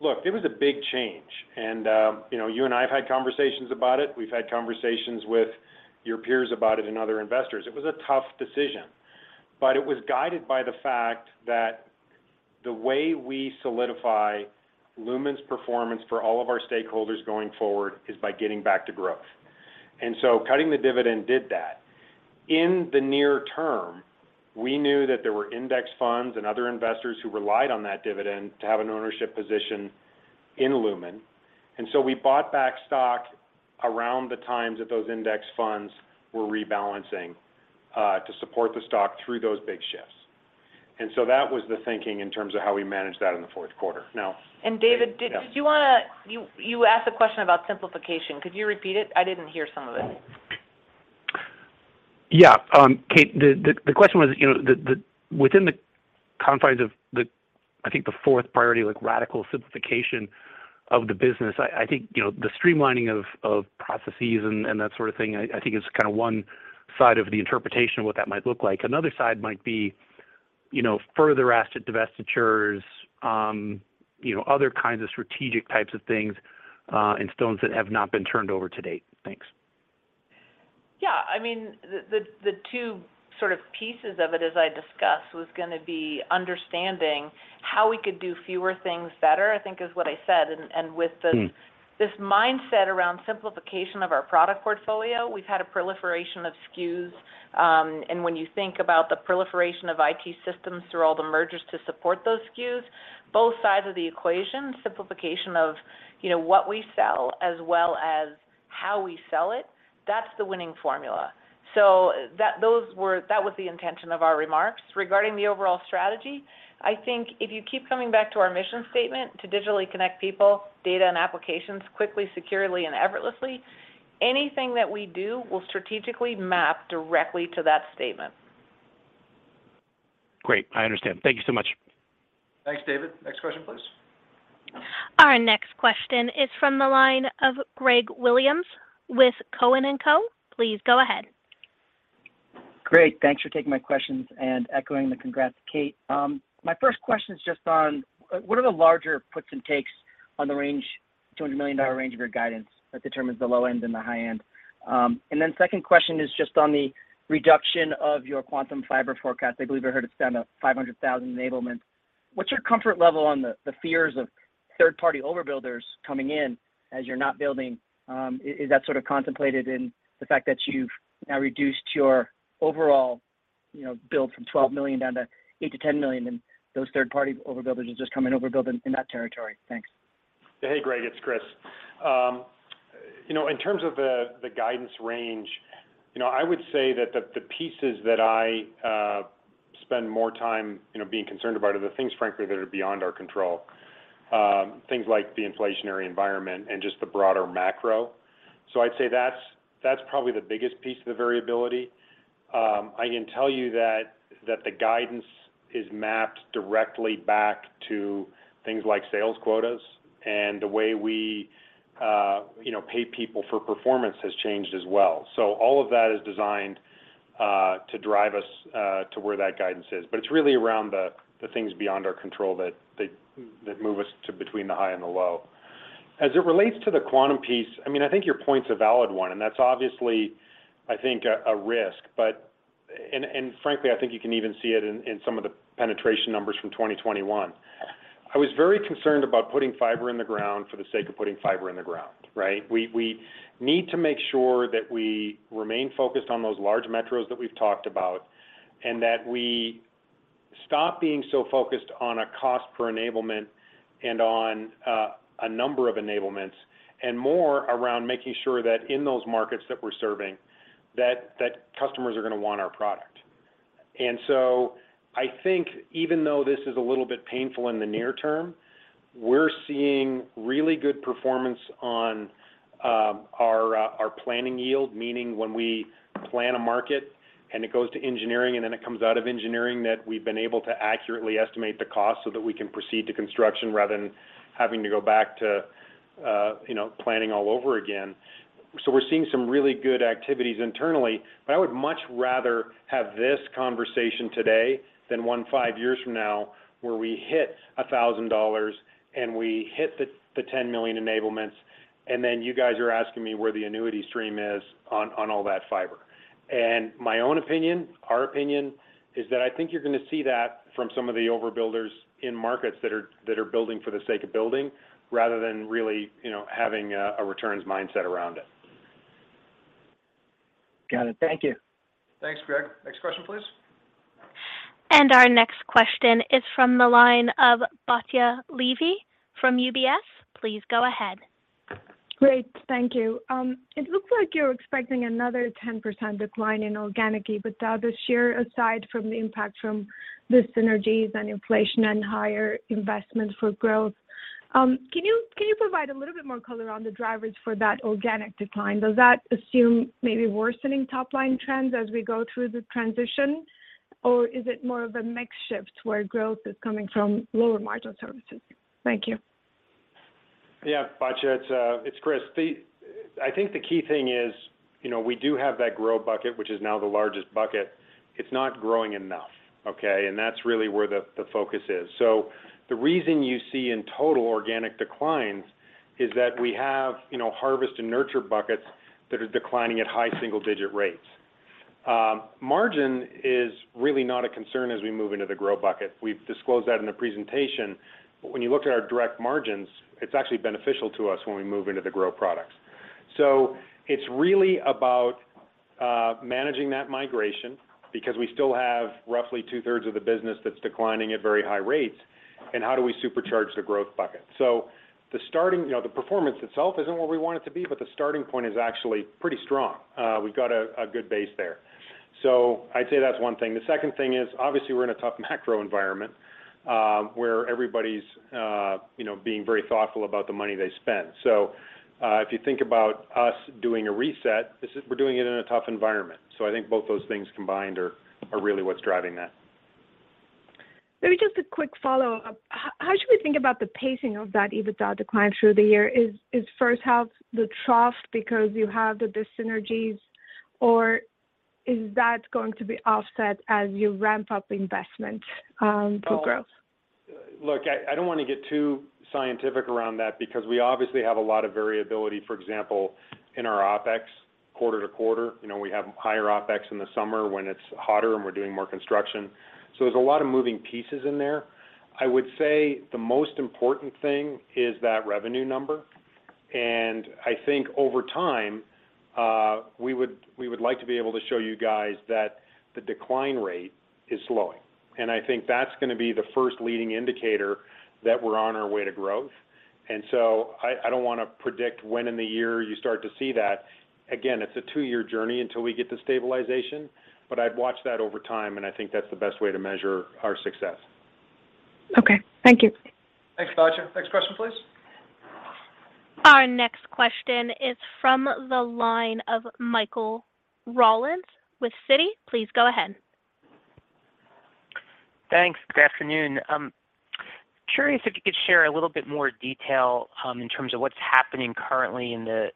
look, it was a big change and, you know, you and I have had conversations about it. We've had conversations with your peers about it and other investors. It was a tough decision, it was guided by the fact that the way we solidify Lumen's performance for all of our stakeholders going forward is by getting back to growth. Cutting the dividend did that. In the near term, we knew that there were index funds and other investors who relied on that dividend to have an ownership position in Lumen. We bought back stock around the times that those index funds were rebalancing, to support the stock through those big shifts. That was the thinking in terms of how we managed that in the fourth quarter. David, you asked a question about simplification. Could you repeat it? I didn't hear some of it. Yeah. Kate, the question was, you know, the within the confines of the, I think the fourth priority, like radical simplification of the business, I think, you know, the streamlining of processes and that sort of thing, I think is kind of one side of the interpretation of what that might look like. Another side might be, you know, further asset divestitures, you know, other kinds of strategic types of things, and stones that have not been turned over to date. Thanks. Yeah, I mean, the two sort of pieces of it as I discussed was gonna be understanding how we could do fewer things better, I think is what I said and with the... Mm-hmm... this mindset around simplification of our product portfolio, we've had a proliferation of SKUs. When you think about the proliferation of IT systems through all the mergers to support those SKUs, both sides of the equation, simplification of, you know, what we sell as well as how we sell it, that's the winning formula. That was the intention of our remarks. Regarding the overall strategy, I think if you keep coming back to our mission statement, to digitally connect people, data, and applications quickly, securely, and effortlessly, anything that we do will strategically map directly to that statement. Great. I understand. Thank you so much. Thanks, David. Next question, please. Our next question is from the line of Greg Williams with Cowen and Co. Please go ahead. Great. Thanks for taking my questions and echoing the congrats, Kate. My first question is just on what are the larger puts and takes on the range, $200 million range of your guidance that determines the low end and the high end? Then second question is just on the reduction of your Quantum Fiber forecast. I believe I heard it's down to 500,000 enablements. What's your comfort level on the fears of third-party overbuilders coming in as you're not building? Is that sort of contemplated in the fact that you've now reduced your overall, you know, build from 12 million down to 8 million-10 million, and those third-party overbuilders will just come and overbuild in that territory? Thanks. Hey, Greg. It's Chris. you know, in terms of the guidance range, you know, I would say that the pieces that I spend more time, you know, being concerned about are the things, frankly, that are beyond our control. Things like the inflationary environment and just the broader macro. I'd say that's probably the biggest piece of the variability. I can tell you that the guidance is mapped directly back to things like sales quotas and the way we, you know, pay people for performance has changed as well. All of that is designed to drive us to where that guidance is. It's really around the things beyond our control that move us to between the high and the low. As it relates to the Quantum piece, I mean, I think your point's a valid one, and that's obviously, I think, a risk. Frankly, I think you can even see it in some of the penetration numbers from 2021. I was very concerned about putting fiber in the ground for the sake of putting fiber in the ground, right? We need to make sure that we remain focused on those large metros that we've talked about and that we stop being so focused on a cost per enablement and on a number of enablements and more around making sure that in those markets that we're serving, that customers are gonna want our product. I think even though this is a little bit painful in the near term, we're seeing really good performance on our planning yield. Meaning, when we plan a market and it goes to engineering and then it comes out of engineering, that we've been able to accurately estimate the cost so that we can proceed to construction rather than having to go back to, you know, planning all over again. We're seeing some really good activities internally. I would much rather have this conversation today than one five years from now where we hit $1,000 and we hit the 10 million enablements, and then you guys are asking me where the annuity stream is on all that fiber. My own opinion, our opinion is that I think you're gonna see that from some of the overbuilders in markets that are, that are building for the sake of building rather than really, you know, having a returns mindset around it. Got it. Thank you. Thanks, Greg. Next question, please. Our next question is from the line of Batya Levi from UBS. Please go ahead. Great. Thank you. It looks like you're expecting another 10% decline in organic EBITDA this year, aside from the impact from the synergies and inflation and higher investment for growth. Can you provide a little bit more color on the drivers for that organic decline? Does that assume maybe worsening top-line trends as we go through the transition, or is it more of a mix shift where growth is coming from lower-margin services? Thank you. Batya, it's Chris. I think the key thing is, you know, we do have that grow bucket, which is now the largest bucket. It's not growing enough, okay? That's really where the focus is. The reason you see in total organic declines is that we have, you know, harvest and nurture buckets that are declining at high single-digit rates. Margin is really not a concern as we move into the grow bucket. We've disclosed that in the presentation. When you look at our direct margins, it's actually beneficial to us when we move into the grow products. It's really about managing that migration because we still have roughly two-thirds of the business that's declining at very high rates, and how do we supercharge the growth bucket? You know, the performance itself isn't where we want it to be, but the starting point is actually pretty strong. We've got a good base there. I'd say that's one thing. The second thing is, obviously, we're in a tough macro environment, where everybody's, you know, being very thoughtful about the money they spend. If you think about us doing a reset, we're doing it in a tough environment. I think both those things combined are really what's driving that. Maybe just a quick follow-up. How should we think about the pacing of that EBITDA decline through the year? Is first half the trough because you have the dyssynergies, or is that going to be offset as you ramp up investment for growth? Look, I don't wanna get too scientific around that because we obviously have a lot of variability, for example, in our OpEx quarter-to-quarter. You know, we have higher OpEx in the summer when it's hotter and we're doing more construction. There's a lot of moving pieces in there. I would say the most important thing is that revenue number. I think over time, we would like to be able to show you guys that the decline rate is slowing. I think that's gonna be the first leading indicator that we're on our way to growth. I don't wanna predict when in the year you start to see that. Again, it's a two-year journey until we get to stabilization. I'd watch that over time, and I think that's the best way to measure our success. Okay. Thank you. Thanks, Batya. Next question, please. Our next question is from the line of Michael Rollins with Citi. Please go ahead. Thanks. Good afternoon. Curious if you could share a little bit more detail, in terms of what's happening currently in the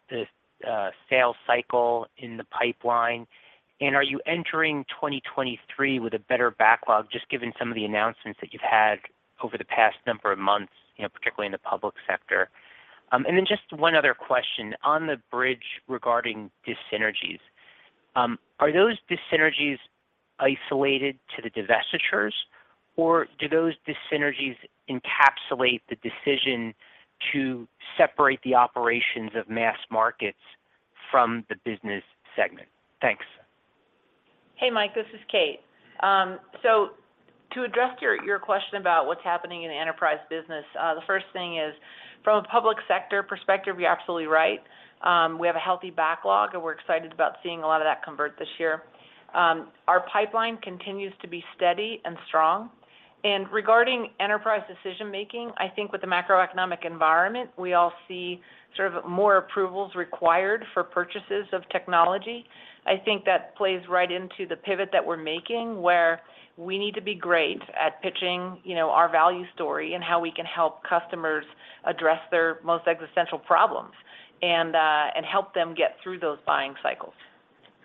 sales cycle in the pipeline. Are you entering 2023 with a better backlog just given some of the announcements that you've had over the past number of months, you know, particularly in the public sector? Just one other question. On the bridge regarding dyssynergies, are those dyssynergies isolated to the divestitures, or do those dyssynergies encapsulate the decision to separate the operations of Mass Markets from the business segment? Thanks. Hey, Mike, this is Kate. To address your question about what's happening in the enterprise business, the first thing is from a public sector perspective, you're absolutely right. We have a healthy backlog, and we're excited about seeing a lot of that convert this year. Our pipeline continues to be steady and strong. Regarding enterprise decision-making, I think with the macroeconomic environment, we all see sort of more approvals required for purchases of technology. I think that plays right into the pivot that we're making, where we need to be great at pitching, you know, our value story and how we can help customers address their most existential problems and help them get through those buying cycles.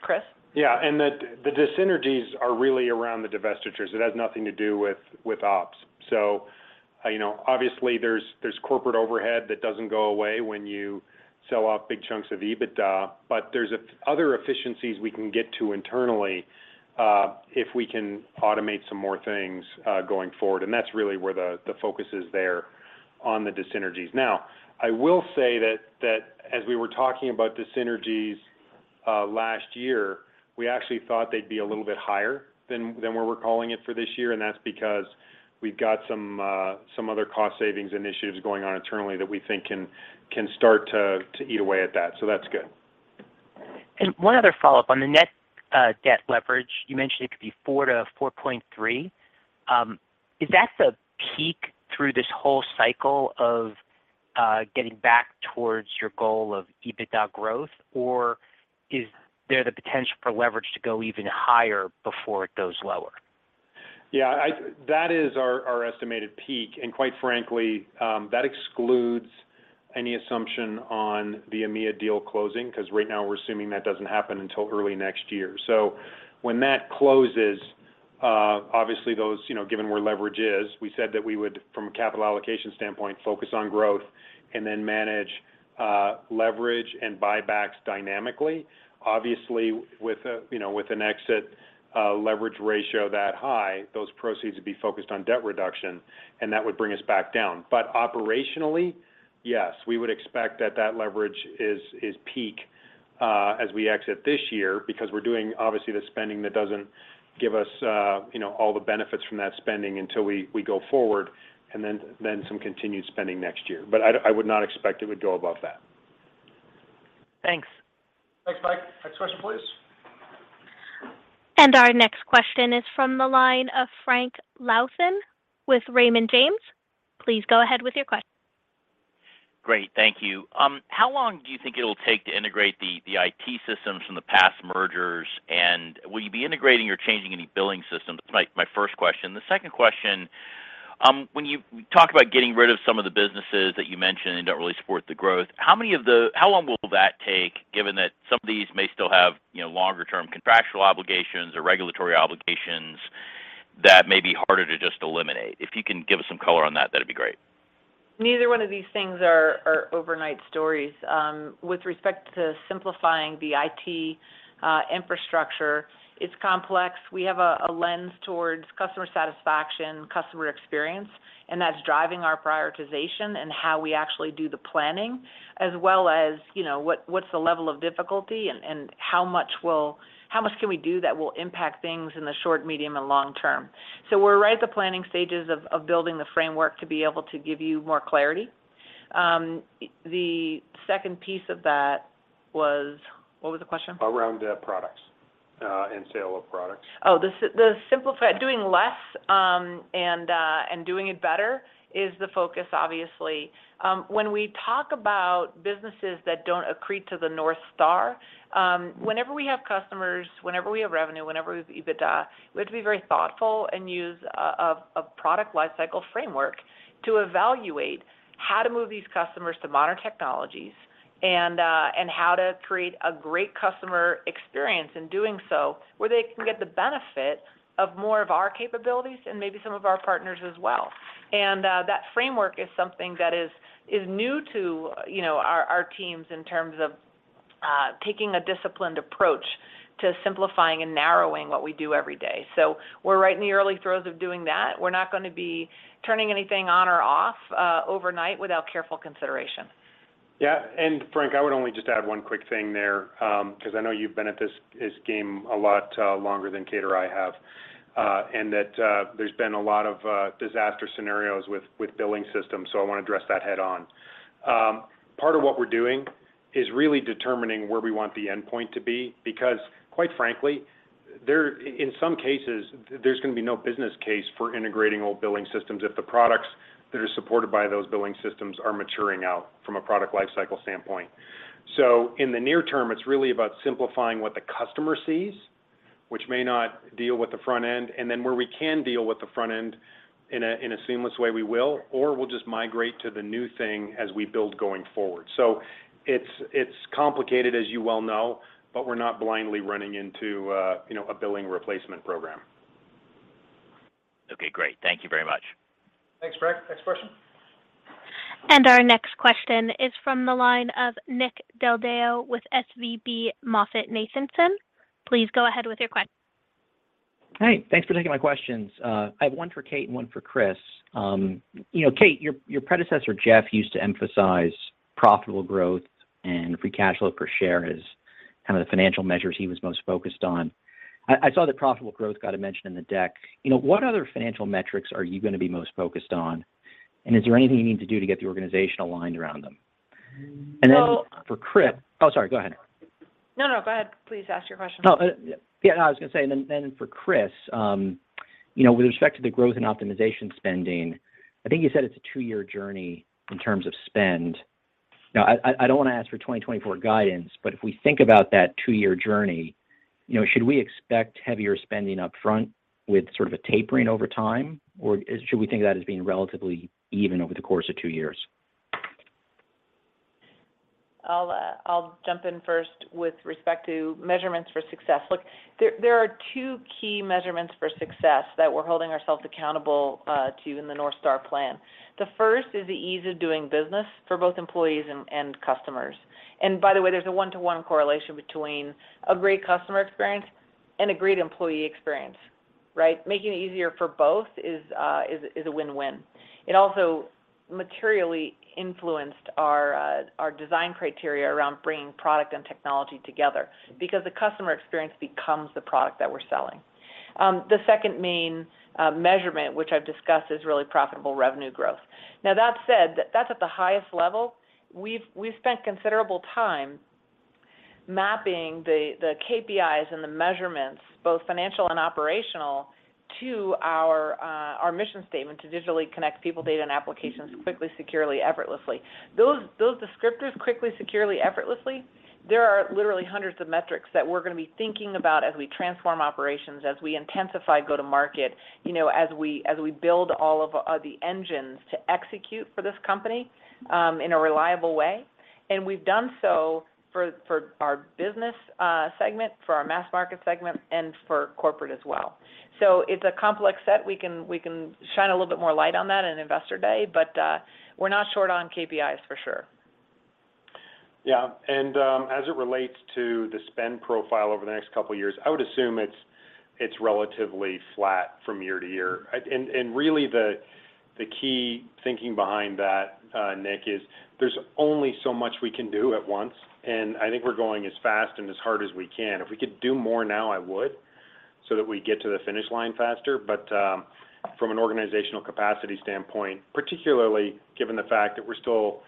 Chris? Yeah. The dyssynergies are really around the divestitures. It has nothing to do with ops. You know, obviously, there's corporate overhead that doesn't go away when you sell off big chunks of EBITDA, there's other efficiencies we can get to internally, if we can automate more things going forward, that's really where the focus is there on the dyssynergies. I will say that as we were talking about dyssynergies last year, we actually thought they'd be a little bit higher than what we're calling it for this year, that's because we've got some other cost savings initiatives going on internally that we think can start to eat away at that. That's good. One other follow-up. On the net debt leverage, you mentioned it could be 4 to 4.3. Is that the peak through this whole cycle of getting back towards your goal of EBITDA growth, or is there the potential for leverage to go even higher before it goes lower? That is our estimated peak, and quite frankly, that excludes any assumption on the EMEA deal closing 'cause right now we're assuming that doesn't happen until early next year. When that closes, obviously those, you know, given where leverage is, we said that we would, from a capital allocation standpoint, focus on growth and then manage leverage and buybacks dynamically. Obviously, with a, you know, with an exit leverage ratio that high, those proceeds would be focused on debt reduction, and that would bring us back down. Operationally, yes, we would expect that that leverage is peak as we exit this year because we're doing obviously the spending that doesn't give us, you know, all the benefits from that spending until we go forward, and then some continued spending next year. I would not expect it would go above that. Thanks. Thanks, Mike. Next question, please. Our next question is from the line of Frank Louthan with Raymond James. Please go ahead with your question. Great. Thank you. How long do you think it'll take to integrate the IT systems from the past mergers, and will you be integrating or changing any billing systems? That's my first question. The second question, when you talk about getting rid of some of the businesses that you mentioned and don't really support the growth, how long will that take given that some of these may still have, you know, longer term contractual obligations or regulatory obligations that may be harder to just eliminate? If you can give us some color on that'd be great. Neither one of these things are overnight stories. With respect to simplifying the IT infrastructure, it's complex. We have a lens towards customer satisfaction, customer experience, and that's driving our prioritization and how we actually do the planning, as well as, you know, what's the level of difficulty and how much can we do that will impact things in the short, medium, and long term. We're right at the planning stages of building the framework to be able to give you more clarity. The second piece of that was... What was the question? Around products, and sale of products. Doing less, and doing it better is the focus, obviously. When we talk about businesses that don't accrete to the North Star, whenever we have customers, whenever we have revenue, whenever we have EBITDA, we have to be very thoughtful and use a product lifecycle framework to evaluate how to move these customers to modern technologies. How to create a great customer experience in doing so where they can get the benefit of more of our capabilities and maybe some of our partners as well. That framework is something that is new to, you know, our teams in terms of taking a disciplined approach to simplifying and narrowing what we do every day. We're right in the early throes of doing that. We're not going to be turning anything on or off, overnight without careful consideration. Yeah. Frank, I would only just add one quick thing there, because I know you've been at this game a lot longer than Kate or I have. There's been a lot of disaster scenarios with billing systems. I want to address that head on. Part of what we're doing is really determining where we want the endpoint to be, because quite frankly, in some cases, there's going to be no business case for integrating old billing systems if the products that are supported by those billing systems are maturing out from a product life cycle standpoint. In the near term, it's really about simplifying what the customer sees, which may not deal with the front end. Where we can deal with the front end in a seamless way, we will, or we'll just migrate to the new thing as we build going forward. It's complicated as you well know, but we're not blindly running into a, you know, a billing replacement program. Okay, great. Thank you very much. Thanks, Frank. Next question. Our next question is from the line of Nick Del Deo with SVB MoffettNathanson. Please go ahead with your question. Hey, thanks for taking my questions. I have one for Kate and one for Chris. You know, Kate, your predecessor, Jeff, used to emphasize profitable growth and free cash flow per share as kind of the financial measures he was most focused on. I saw that profitable growth got a mention in the deck. You know, what other financial metrics are you going to be most focused on? Is there anything you need to do to get the organization aligned around them? Well- for Chris. Oh, sorry, go ahead. No, no, go ahead. Please ask your question. I was going to say, for Chris, you know, with respect to the growth and optimization spending, I think you said it's a two-year journey in terms of spend. I don't want to ask for 2024 guidance, but if we think about that two-year journey, you know, should we expect heavier spending up front with sort of a tapering over time? Should we think of that as being relatively even over the course of two years? I'll jump in first with respect to measurements for success. Look, there are two key measurements for success that we're holding ourselves accountable to in the North Star plan. The first is the ease of doing business for both employees and customers. By the way, there's a one-to-one correlation between a great customer experience and a great employee experience, right? Making it easier for both is a win-win. It also materially influenced our design criteria around bringing product and technology together because the customer experience becomes the product that we're selling. The second main measurement, which I've discussed, is really profitable revenue growth. That said, that's at the highest level. We've spent considerable time mapping the KPIs and the measurements, both financial and operational, to our mission statement to digitally connect people, data, and applications quickly, securely, effortlessly. Those descriptors, quickly, securely, effortlessly, there are literally hundreds of metrics that we're going to be thinking about as we transform operations, as we intensify go-to-market, you know, as we build all of the engines to execute for this company in a reliable way. We've done so for our business segment, for our Mass Markets segment, and for corporate as well. It's a complex set. We can shine a little bit more light on that in Investor Day, but we're not short on KPIs for sure. Yeah. As it relates to the spend profile over the next 2 years, I would assume it's relatively flat from year to year. Really the key thinking behind that, Nick, is there's only so much we can do at once, and I think we're going as fast and as hard as we can. If we could do more now, I would, so that we get to the finish line faster. From an organizational capacity standpoint, particularly given the fact that we're still,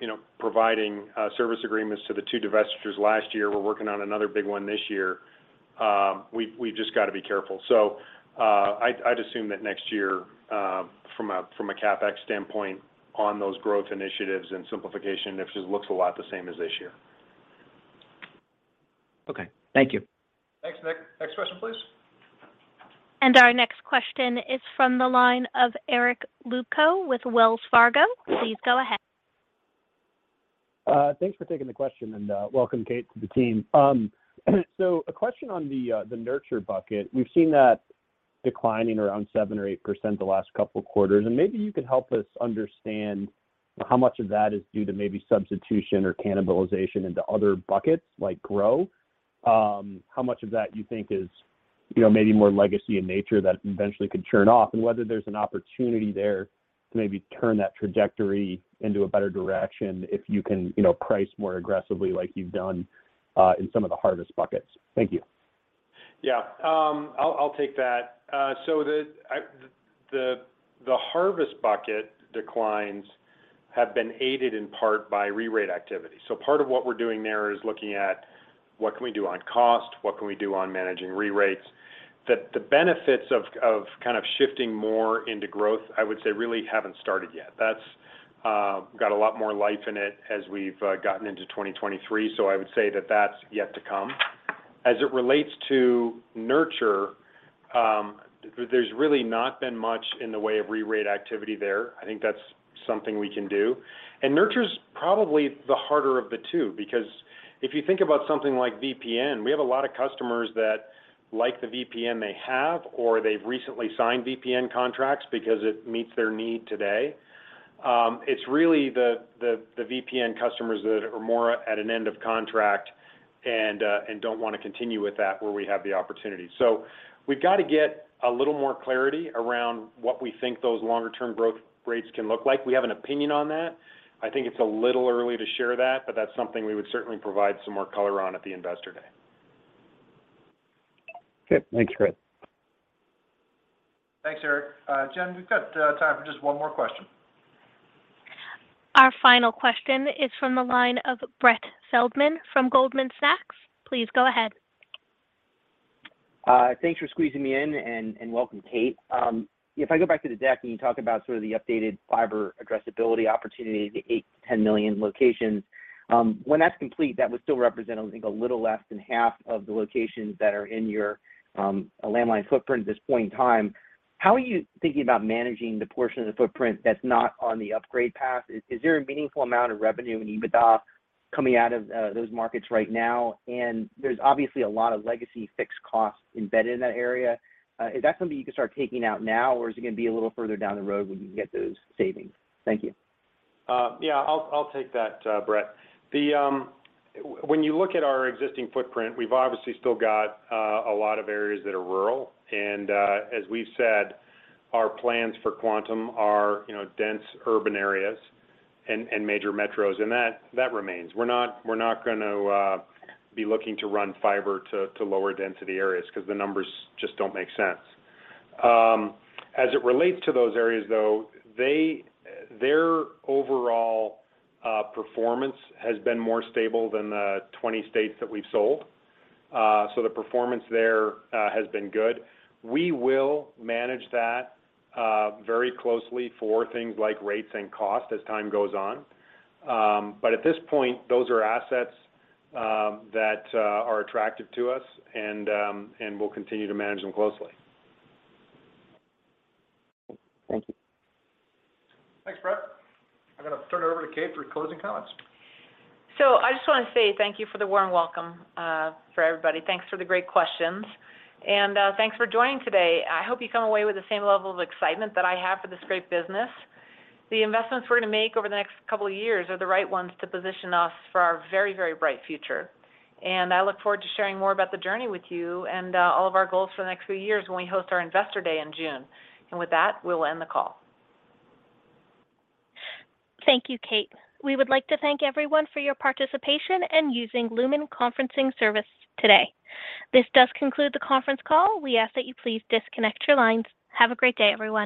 you know, providing service agreements to the 2 divestitures last year, we're working on another big one this year, we've just got to be careful. I'd assume that next year, from a CapEx standpoint on those growth initiatives and simplification, it just looks a lot the same as this year. Okay. Thank you. Thanks, Nick. Next question, please. Our next question is from the line of Eric Luebchow with Wells Fargo. Please go ahead. Thanks for taking the question, and welcome Kate to the team. A question on the nurture bucket. We've seen that declining around 7% or 8% the last couple quarters, and maybe you could help us understand how much of that is due to maybe substitution or cannibalization into other buckets like grow. How much of that you think is, you know, maybe more legacy in nature that eventually could churn off, and whether there's an opportunity there to maybe turn that trajectory into a better direction if you can, you know, price more aggressively like you've done in some of the harvest buckets. Thank you. Yeah. I'll take that. The harvest bucket declines have been aided in part by re-rate activity. Part of what we're doing there is looking at what can we do on cost, what can we do on managing re-rates. The benefits of kind of shifting more into growth, I would say, really haven't started yet. That's got a lot more life in it as we've gotten into 2023. I would say that that's yet to come. It relates to nurture. There's really not been much in the way of rerate activity there. I think that's something we can do. Nurture's probably the harder of the two, because if you think about something like VPN, we have a lot of customers that like the VPN they have or they've recently signed VPN contracts because it meets their need today. It's really the, the VPN customers that are more at an end of contract and don't want to continue with that where we have the opportunity. We've got to get a little more clarity around what we think those longer term growth rates can look like. We have an opinion on that. I think it's a little early to share that, but that's something we would certainly provide some more color on at the Investor Day. Okay. Thanks, Chris. Thanks, Eric. Jen, we've got time for just one more question. Our final question is from the line of Brett Feldman from Goldman Sachs. Please go ahead. Thanks for squeezing me in and welcome, Kate. If I go back to the deck and you talk about sort of the updated fiber addressability opportunity to 8 million-10 million locations, when that's complete, that would still represent, I think, a little less than half of the locations that are in your landline footprint at this point in time. How are you thinking about managing the portion of the footprint that's not on the upgrade path? Is there a meaningful amount of revenue and EBITDA coming out of those markets right now? There's obviously a lot of legacy fixed costs embedded in that area. Is that something you can start taking out now or is it gonna be a little further down the road when you can get those savings? Thank you. Yeah. I'll take that, Brett. When you look at our existing footprint, we've obviously still got a lot of areas that are rural. Our plans for Quantum are, you know, dense urban areas and major metros, and that remains. We're not gonna be looking to run fiber to lower density areas 'cause the numbers just don't make sense. As it relates to those areas, though, their overall performance has been more stable than the 20 states that we've sold. The performance there has been good. We will manage that very closely for things like rates and cost as time goes on. At this point, those are assets that are attractive to us and we'll continue to manage them closely. Thank you. Thanks, Brett. I'm gonna turn it over to Kate for closing comments. I just want to say thank you for the warm welcome for everybody. Thanks for the great questions. Thanks for joining today. I hope you come away with the same level of excitement that I have for this great business. The investments we're going to make over the next couple of years are the right ones to position us for our very, very bright future. I look forward to sharing more about the journey with you and all of our goals for the next few years when we host our Investor Day in June. With that, we'll end the call. Thank you, Kate. We would like to thank everyone for your participation in using Lumen Conferencing service today. This does conclude the conference call. We ask that you please disconnect your lines. Have a great day, everyone.